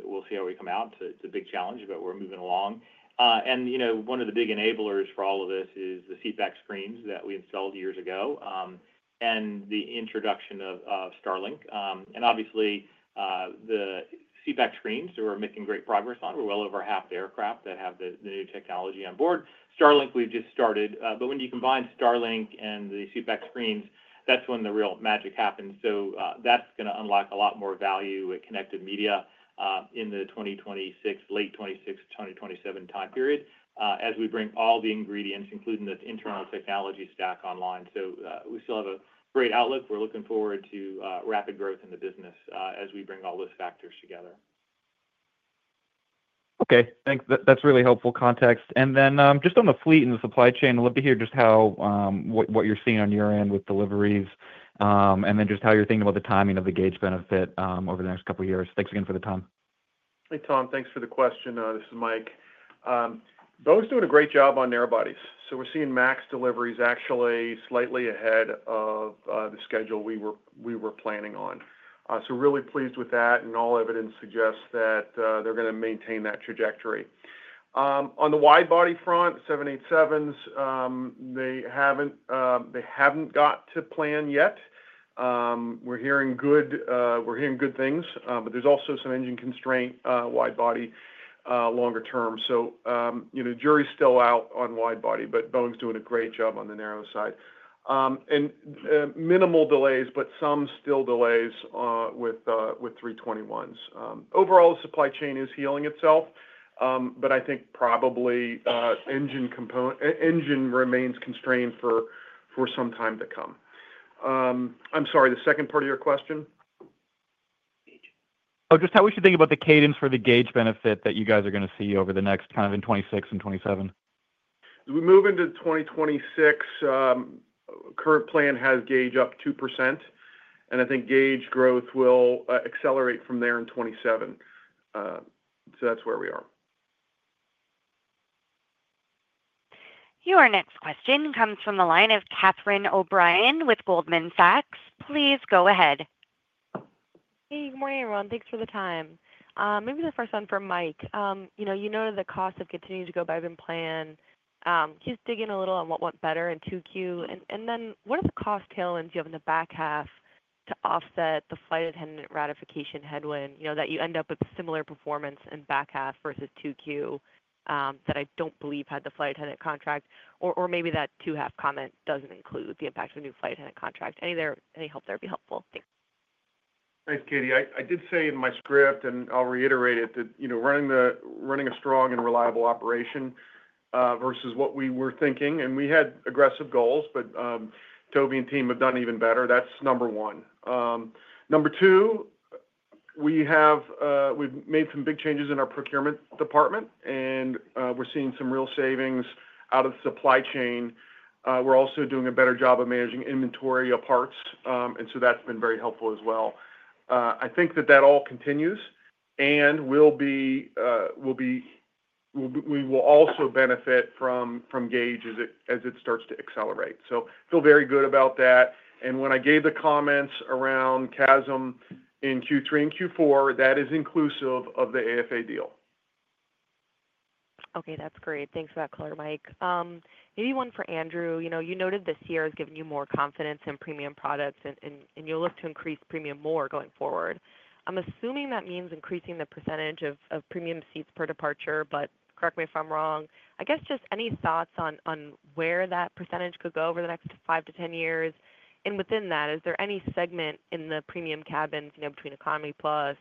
We'll see how we come out. It's a big challenge, but we're moving along. And one of the big enablers for all of this is the seatback screens that we installed years ago. And the introduction of Starlink. And obviously the seatback screens that we're making great progress on. We're well over half the aircraft that have the new technology on board. Starlink, we've just started. But when you combine Starlink and the seatback screens, that's when the real magic happens. So that's going to unlock a lot more value at Connective Media in the 2026, late 2026, 2027 time period as we bring all the ingredients, including the internal technology stack online. So we still have a great outlook. We're looking forward to rapid growth in the business as we bring all those factors together. Okay. Thanks. That's really helpful context, and then just on the fleet and the supply chain, I'd love to hear just what you're seeing on your end with deliveries. And then just how you're thinking about the timing of the gauge benefit over the next couple of years. Thanks again for the time. Hey, Tom. Thanks for the question. This is Mike. Boeing is doing a great job on narrowbodies. So we're seeing MAX deliveries actually slightly ahead of the schedule we were planning on. So really pleased with that. And all evidence suggests that they're going to maintain that trajectory. On the widebody front, 787s. They haven't got to plan yet. We're hearing good things, but there's also some engine constraint, widebody longer term. So the jury's still out on widebody, but Boeing's doing a great job on the narrow side. And minimal delays, but some still delays with 321s. Overall, the supply chain is healing itself, but I think probably engine remains constrained for some time to come. I'm sorry, the second part of your question? Just how would you think about the cadence for the gauge benefit that you guys are going to see over the next kind of in 2026 and 2027? We move into 2026. Current plan has gauge up 2%. And I think gauge growth will accelerate from there in 2027. So that's where we are. Your next question comes from the line of Catherine O'Brien with Goldman Sachs. Please go ahead. Hey, good morning, everyone. Thanks for the time. Maybe the first one from Mike. You know the costs have continued to go by the plan. Just digging a little on what went better in 2Q. And then what are the cost tailwinds you have in the back half to offset the flight attendant ratification headwind that you end up with similar performance in back half versus 2Q that I don't believe had the flight attendant contract? Or maybe that back half comment doesn't include the impact of a new flight attendant contract. Any help there would be helpful. Thanks, Cathy. I did say in my script, and I'll reiterate it, that running a strong and reliable operation versus what we were thinking. And we had aggressive goals, but Toby and team have done even better. That's number one. Number two. We've made some big changes in our procurement department, and we're seeing some real savings out of the supply chain. We're also doing a better job of managing inventory of parts. And so that's been very helpful as well. I think that that all continues and will be. We will also benefit from gauge as it starts to accelerate. So I feel very good about that. And when I gave the comments around CASM in Q3 and Q4, that is inclusive of the AFA deal. Okay. That's great. Thanks for that clear, Mike. Maybe one for Andrew. You noted this year has given you more confidence in premium products, and you'll look to increase premium more going forward. I'm assuming that means increasing the percentage of premium seats per departure, but correct me if I'm wrong. I guess just any thoughts on where that percentage could go over the next five to 10 years? And within that, is there any segment in the premium cabins between Economy Plus,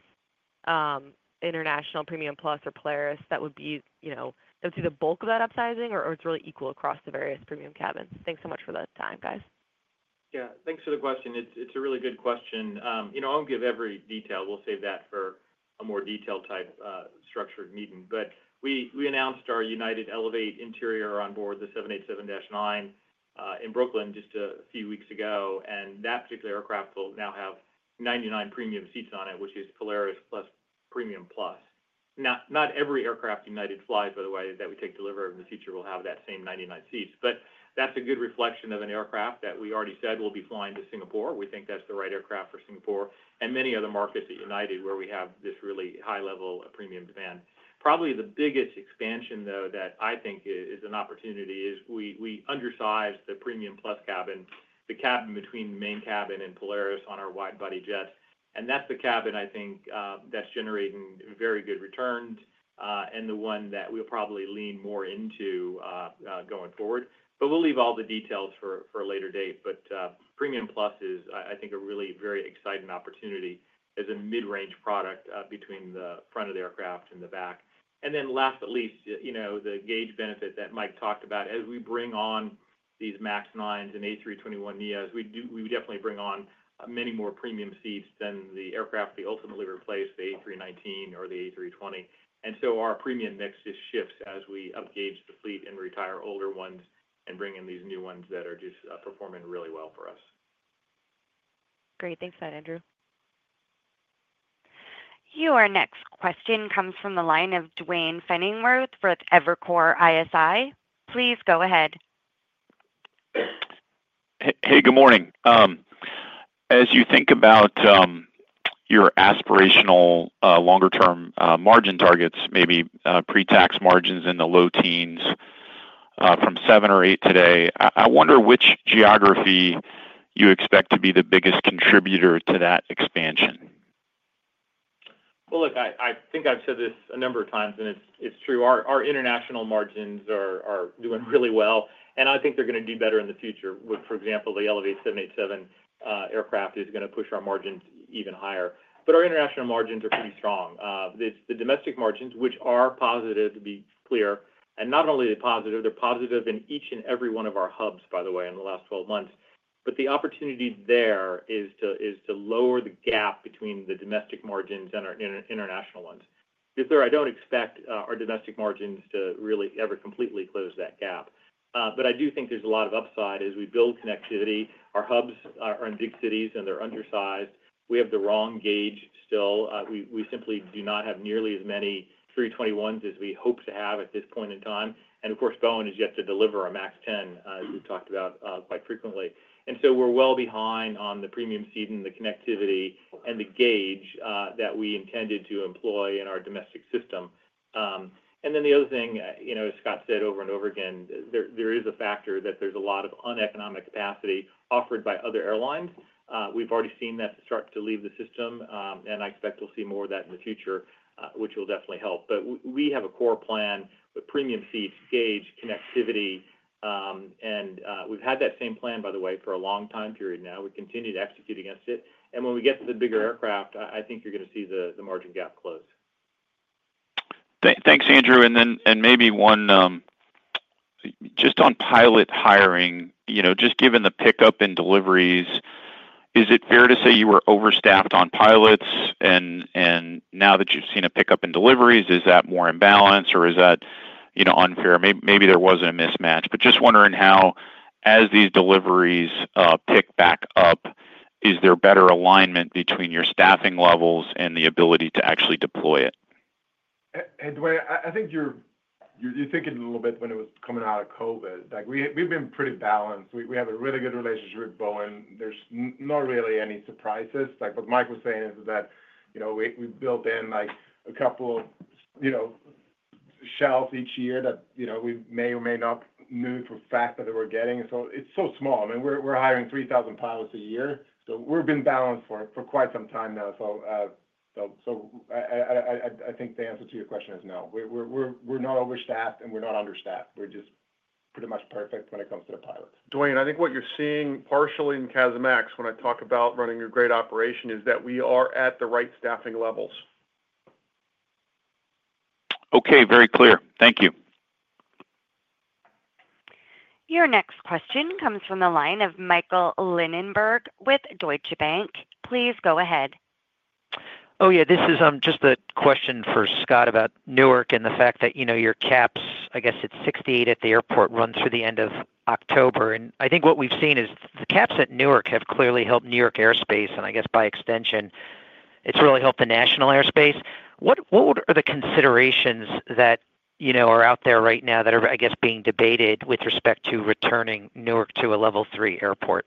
International Premium Plus, or Polaris that would be the bulk of that upsizing, or it's really equal across the various premium cabins? Thanks so much for the time, guys. Yeah. Thanks for the question. It's a really good question. I'll give every detail. We'll save that for a more detailed type structured meeting. But we announced our United Elevate interior on board the 787-9 in Brooklyn just a few weeks ago. And that particular aircraft will now have 99 premium seats on it, which is Polaris Plus Premium Plus. Not every aircraft United flies, by the way, that we take delivery of in the future will have that same 99 seats. But that's a good reflection of an aircraft that we already said we'll be flying to Singapore. We think that's the right aircraft for Singapore and many other markets at United where we have this really high level of premium demand. Probably the biggest expansion, though, that I think is an opportunity is we undersized the Premium Plus cabin, the cabin between the main cabin and Polaris on our widebody jet. And that's the cabin, I think, that's generating very good returns and the one that we'll probably lean more into. Going forward. But we'll leave all the details for a later date. But Premium Plus is, I think, a really very exciting opportunity as a mid-range product between the front of the aircraft and the back. And then last but not least, the gauge benefit that Mike talked about, as we bring on these MAX 9s and A321neos, we definitely bring on many more premium seats than the aircraft that ultimately replace the A319 or the A320. And so our premium mix just shifts as we upgauge the fleet and retire older ones and bring in these new ones that are just performing really well for us. Great. Thanks for that, Andrew. Your next question comes from the line of Duane Pfennigwerth for Evercore ISI. Please go ahead. Hey, good morning. As you think about your aspirational longer-term margin targets, maybe pre-tax margins in the low teens from seven or eight today, I wonder which geography you expect to be the biggest contributor to that expansion? Well, look, I think I've said this a number of times, and it's true. Our international margins are doing really well. And I think they're going to do better in the future. For example, the United Elevate 787 aircraft is going to push our margins even higher. But our international margins are pretty strong. The domestic margins, which are positive, to be clear, and not only are they positive, they're positive in each and every one of our hubs, by the way, in the last 12 months. But the opportunity there is to lower the gap between the domestic margins and our international ones. If they're, I don't expect our domestic margins to really ever completely close that gap. But I do think there's a lot of upside as we build connectivity. Our hubs are in big cities, and they're undersized. We have the wrong gauge still. We simply do not have nearly as many 321s as we hope to have at this point in time. And of course, Boeing is yet to deliver a MAX 10, as we've talked about quite frequently. And so we're well behind on the premium seat and the connectivity and the gauge that we intended to employ in our domestic system. And then the other thing, as Scott said over and over again, there is a factor that there's a lot of uneconomic capacity offered by other airlines. We've already seen that start to leave the system. And I expect we'll see more of that in the future, which will definitely help. But we have a core plan with premium seats, gauge, connectivity. And we've had that same plan, by the way, for a long time period now. We continue to execute against it. And when we get to the bigger aircraft, I think you're going to see the margin gap close. Thanks, Andrew. And then maybe one. Just on pilot hiring, just given the pickup and deliveries, is it fair to say you were overstaffed on pilots? And now that you've seen a pickup in deliveries, is that more in balance, or is that unfair? Maybe there wasn't a mismatch. But just wondering how, as these deliveries pick back up, is there better alignment between your staffing levels and the ability to actually deploy it? Duane, I think you're thinking a little bit when it was coming out of COVID. We've been pretty balanced. We have a really good relationship with Boeing. There's not really any surprises. What Mike was saying is that we built in a couple slots each year that we may or may not use for the fact that we're getting. So it's so small. I mean, we're hiring 3,000 pilots a year. So we've been balanced for quite some time now. So I think the answer to your question is no. We're not overstaffed, and we're not understaffed. We're just pretty much perfect when it comes to the pilots. Duane, I think what you're seeing partially in CASM ex when I talk about running a great operation is that we are at the right staffing levels. Okay. Very clear. Thank you. Your next question comes from the line of Michael Linenberg with Deutsche Bank. Please go ahead. Oh, yeah. This is just a question for Scott about Newark and the fact that your caps, I guess it's 68 at the airport, runs through the end of October. And I think what we've seen is the caps at Newark have clearly helped New York airspace, and I guess by extension, it's really helped the national airspace. What are the considerations that are out there right now that are, I guess, being debated with respect to returning Newark to a level three airport?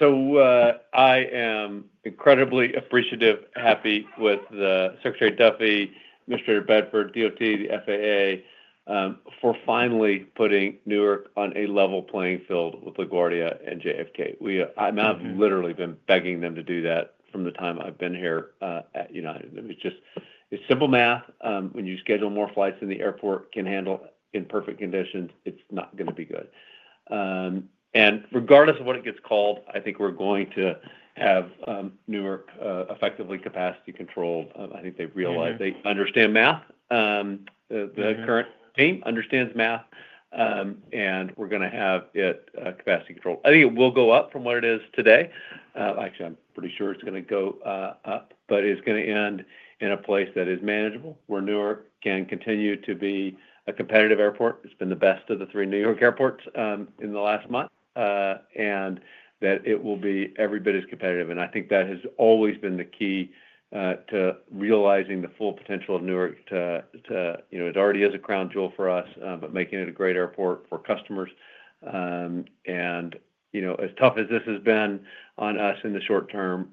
So, I am incredibly appreciative, happy with the Secretary Buttigieg, Mr. Whitaker, DOT, the FAA for finally putting Newark on a level playing field with LaGuardia and JFK. I've literally been begging them to do that from the time I've been here at United. It's simple math. When you schedule more flights than the airport can handle in perfect conditions, it's not going to be good. And regardless of what it gets called, I think we're going to have Newark effectively capacity controlled. I think they realize they understand math. The current team understands math. And we're going to have it capacity controlled. I think it will go up from what it is today. Actually, I'm pretty sure it's going to go up, but it's going to end in a place that is manageable where Newark can continue to be a competitive airport. It's been the best of the three New York airports in the last month. And that it will be every bit as competitive. And I think that has always been the key to realizing the full potential of Newark. It already is a crown jewel for us, but making it a great airport for customers. And as tough as this has been on us in the short term,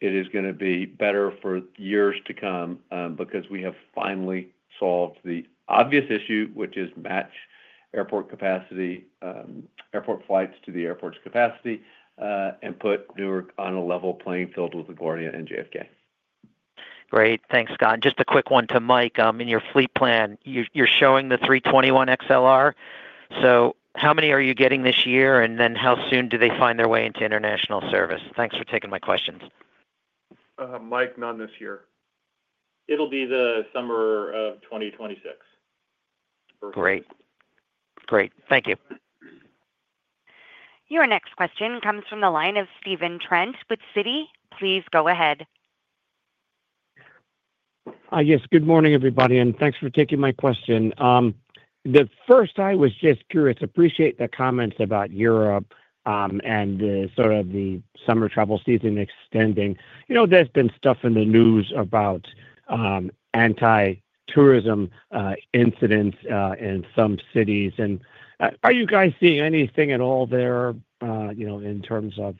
it is going to be better for years to come because we have finally solved the obvious issue, which is match airport capacity, airport flights to the airport's capacity, and put Newark on a level playing field with LaGuardia and JFK. Great. Thanks, Scott. And just a quick one to Mike. In your fleet plan, you're showing the 321 XLR. So how many are you getting this year, and then how soon do they find their way into international service? Thanks for taking my questions. Mike, not this year. It'll be the summer of 2026. Great. Great. Thank you. Your next question comes from the line of Stephen Trent with Citi. Please go ahead. Yes. Good morning, everybody, and thanks for taking my question. The first, I was just curious to appreciate the comments about Europe. And sort of the summer travel season extending. There's been stuff in the news about anti-tourism incidents in some cities. And are you guys seeing anything at all there in terms of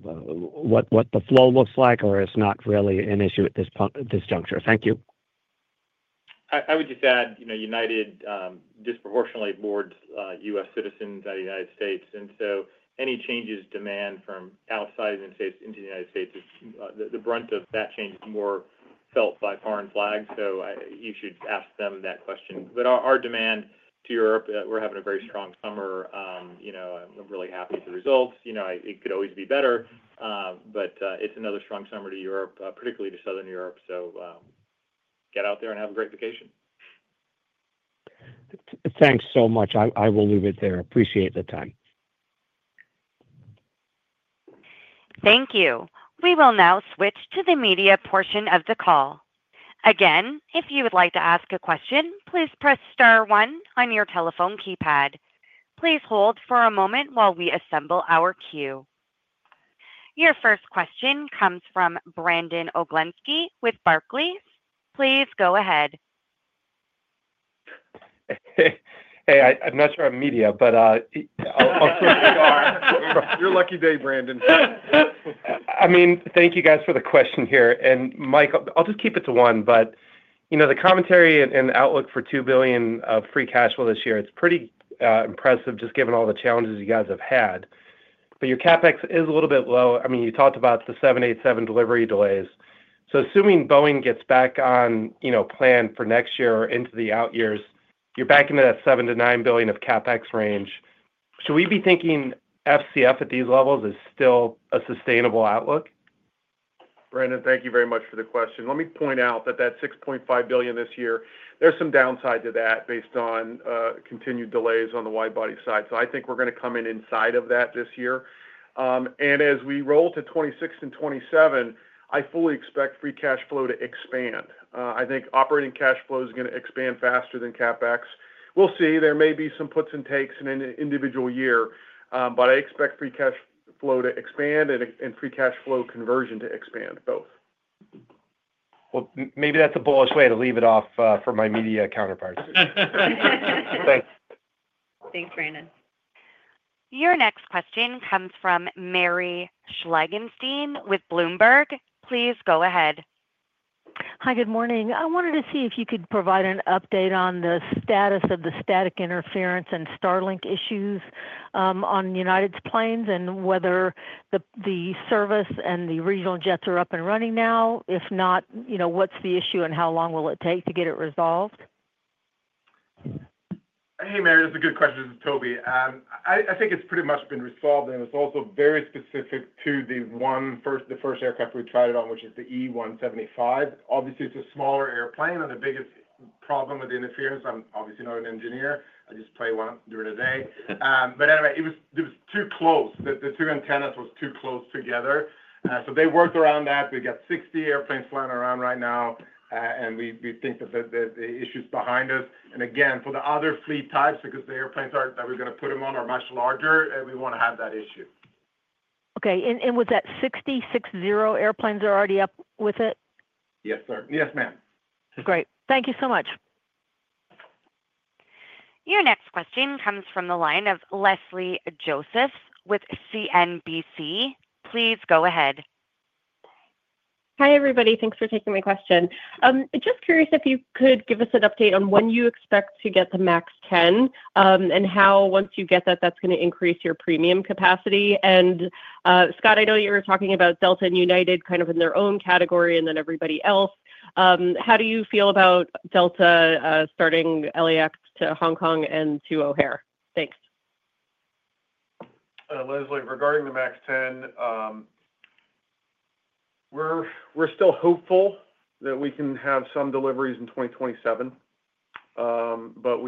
what the flow looks like, or it's not really an issue at this juncture? Thank you. I would just add United disproportionately carries U.S. citizens out of the United States, and so any changes in demand from outside the United States, the brunt of that change is more felt by foreign flags, so you should ask them that question, but our demand to Europe, we're having a very strong summer. I'm really happy with the results. It could always be better, but it's another strong summer to Europe, particularly to Southern Europe, so get out there and have a great vacation. Thanks so much. I will leave it there. Appreciate the time. Thank you. We will now switch to the media portion of the call. Again, if you would like to ask a question, please press star one on your telephone keypad. Please hold for a moment while we assemble our queue. Your first question comes from Brandon Oglenski with Barclays. Please go ahead. Hey, I'm not sure if I'm media, but. I'll switch to. You're in luck today, Brandon. I mean, thank you guys for the question here. And Mike, I'll just keep it to one, but the commentary and outlook for $2 billion free cash flow this year, it's pretty impressive just given all the challenges you guys have had. But your CapEx is a little bit low. I mean, you talked about the 787 delivery delays. So assuming Boeing gets back on plan for next year or into the out years, you're back into that $7-$9 billion of CapEx range. Should we be thinking FCF at these levels is still a sustainable outlook? Brandon, thank you very much for the question. Let me point out that that $6.5 billion this year, there's some downside to that based on continued delays on the widebody side. So I think we're going to come in inside of that this year, and as we roll to 2026 and 2027, I fully expect free cash flow to expand. I think operating cash flow is going to expand faster than CapEx. We'll see. There may be some puts and takes in an individual year, but I expect free cash flow to expand and free cash flow conversion to expand both. Maybe that's a bullish way to leave it off for my media counterparts. Thanks. Thanks, Brandon. Your next question comes from Mary Schlangenstein with Bloomberg. Please go ahead. Hi, good morning. I wanted to see if you could provide an update on the status of the static interference and Starlink issues on United's planes and whether the service and the regional jets are up and running now. If not, what's the issue and how long will it take to get it resolved? Hey, Mary, that's a good question. This is Toby. I think it's pretty much been resolved. And it's also very specific to the first aircraft we tried it on, which is the E175. Obviously, it's a smaller airplane. And the biggest problem with the interference, I'm obviously not an engineer. I just play one during the day. But anyway, it was too close. The two antennas were too close together. So they worked around that. We've got 60 airplanes flying around right now. And we think that the issue is behind us. And again, for the other fleet types, because the airplanes that we're going to put them on are much larger, we won't have that issue. Okay. And was that 60 airplanes are already up with it? Yes, sir. Yes, ma'am. Great. Thank you so much. Your next question comes from the line of Leslie Josephs with CNBC. Please go ahead. Hi, everybody. Thanks for taking my question. Just curious if you could give us an update on when you expect to get the MAX 10 and how, once you get that, that's going to increase your premium capacity. And Scott, I know you were talking about Delta and United kind of in their own category and then everybody else. How do you feel about Delta starting LAX to Hong Kong and to O'Hare? Thanks. Leslie, regarding the MAX 10. We're still hopeful that we can have some deliveries in 2027. But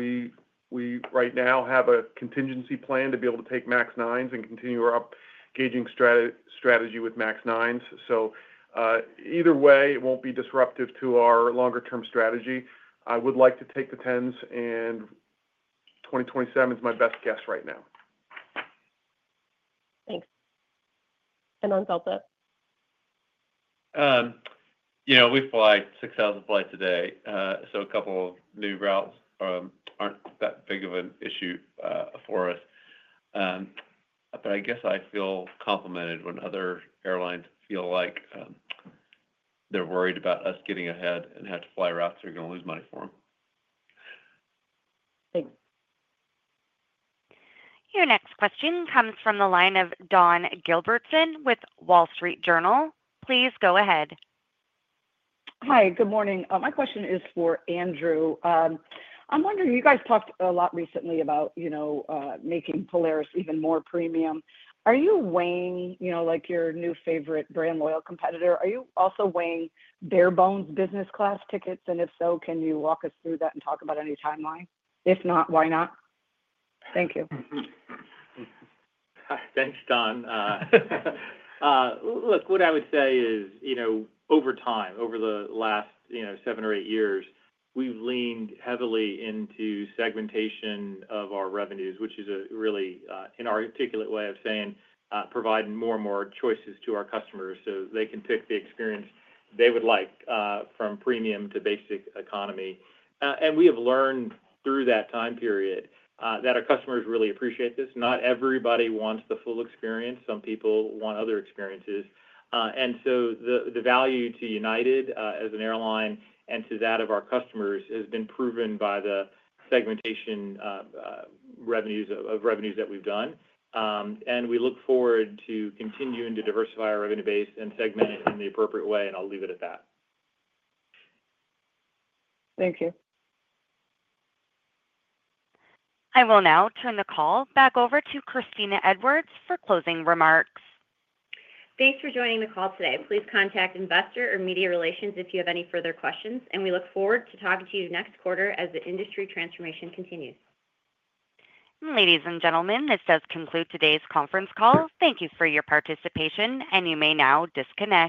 we right now have a contingency plan to be able to take MAX 9s and continue our staging strategy with MAX 9s. So, either way, it won't be disruptive to our longer-term strategy. I would like to take the 10s, and 2027 is my best guess right now. Thanks. And on Delta? We fly 6,000 flights a day. So a couple of new routes aren't that big of an issue for us. But I guess I feel complimented when other airlines feel like they're worried about us getting ahead and have to fly routes they're going to lose money for them. Thanks. Your next question comes from the line of Dawn Gilbertson with Wall Street Journal. Please go ahead. Hi, good morning. My question is for Andrew. I'm wondering, you guys talked a lot recently about making Polaris even more premium. Are you weighing your new favorite brand-loyal competitor? Are you also weighing bare-bones business class tickets? And if so, can you walk us through that and talk about any timeline? If not, why not? Thank you. Thanks, Dawn. Look, what I would say is. Over time, over the last seven or eight years, we've leaned heavily into segmentation of our revenues, which is a really, in our articulate way of saying, providing more and more choices to our customers so they can pick the experience they would like from premium to Easic Economy. And we have learned through that time period that our customers really appreciate this. Not everybody wants the full experience. Some people want other experiences. And so the value to United as an airline and to that of our customers has been proven by the segmentation revenues that we've done. And we look forward to continuing to diversify our revenue base and segment it in the appropriate way, and I'll leave it at that. Thank you. I will now turn the call back over to Kristina Edwards for closing remarks. Thanks for joining the call today. Please contact Investor or Media Relations if you have any further questions, and we look forward to talking to you next quarter as the industry transformation continues. Ladies and gentlemen, this does conclude today's conference call. Thank you for your participation, and you may now disconnect.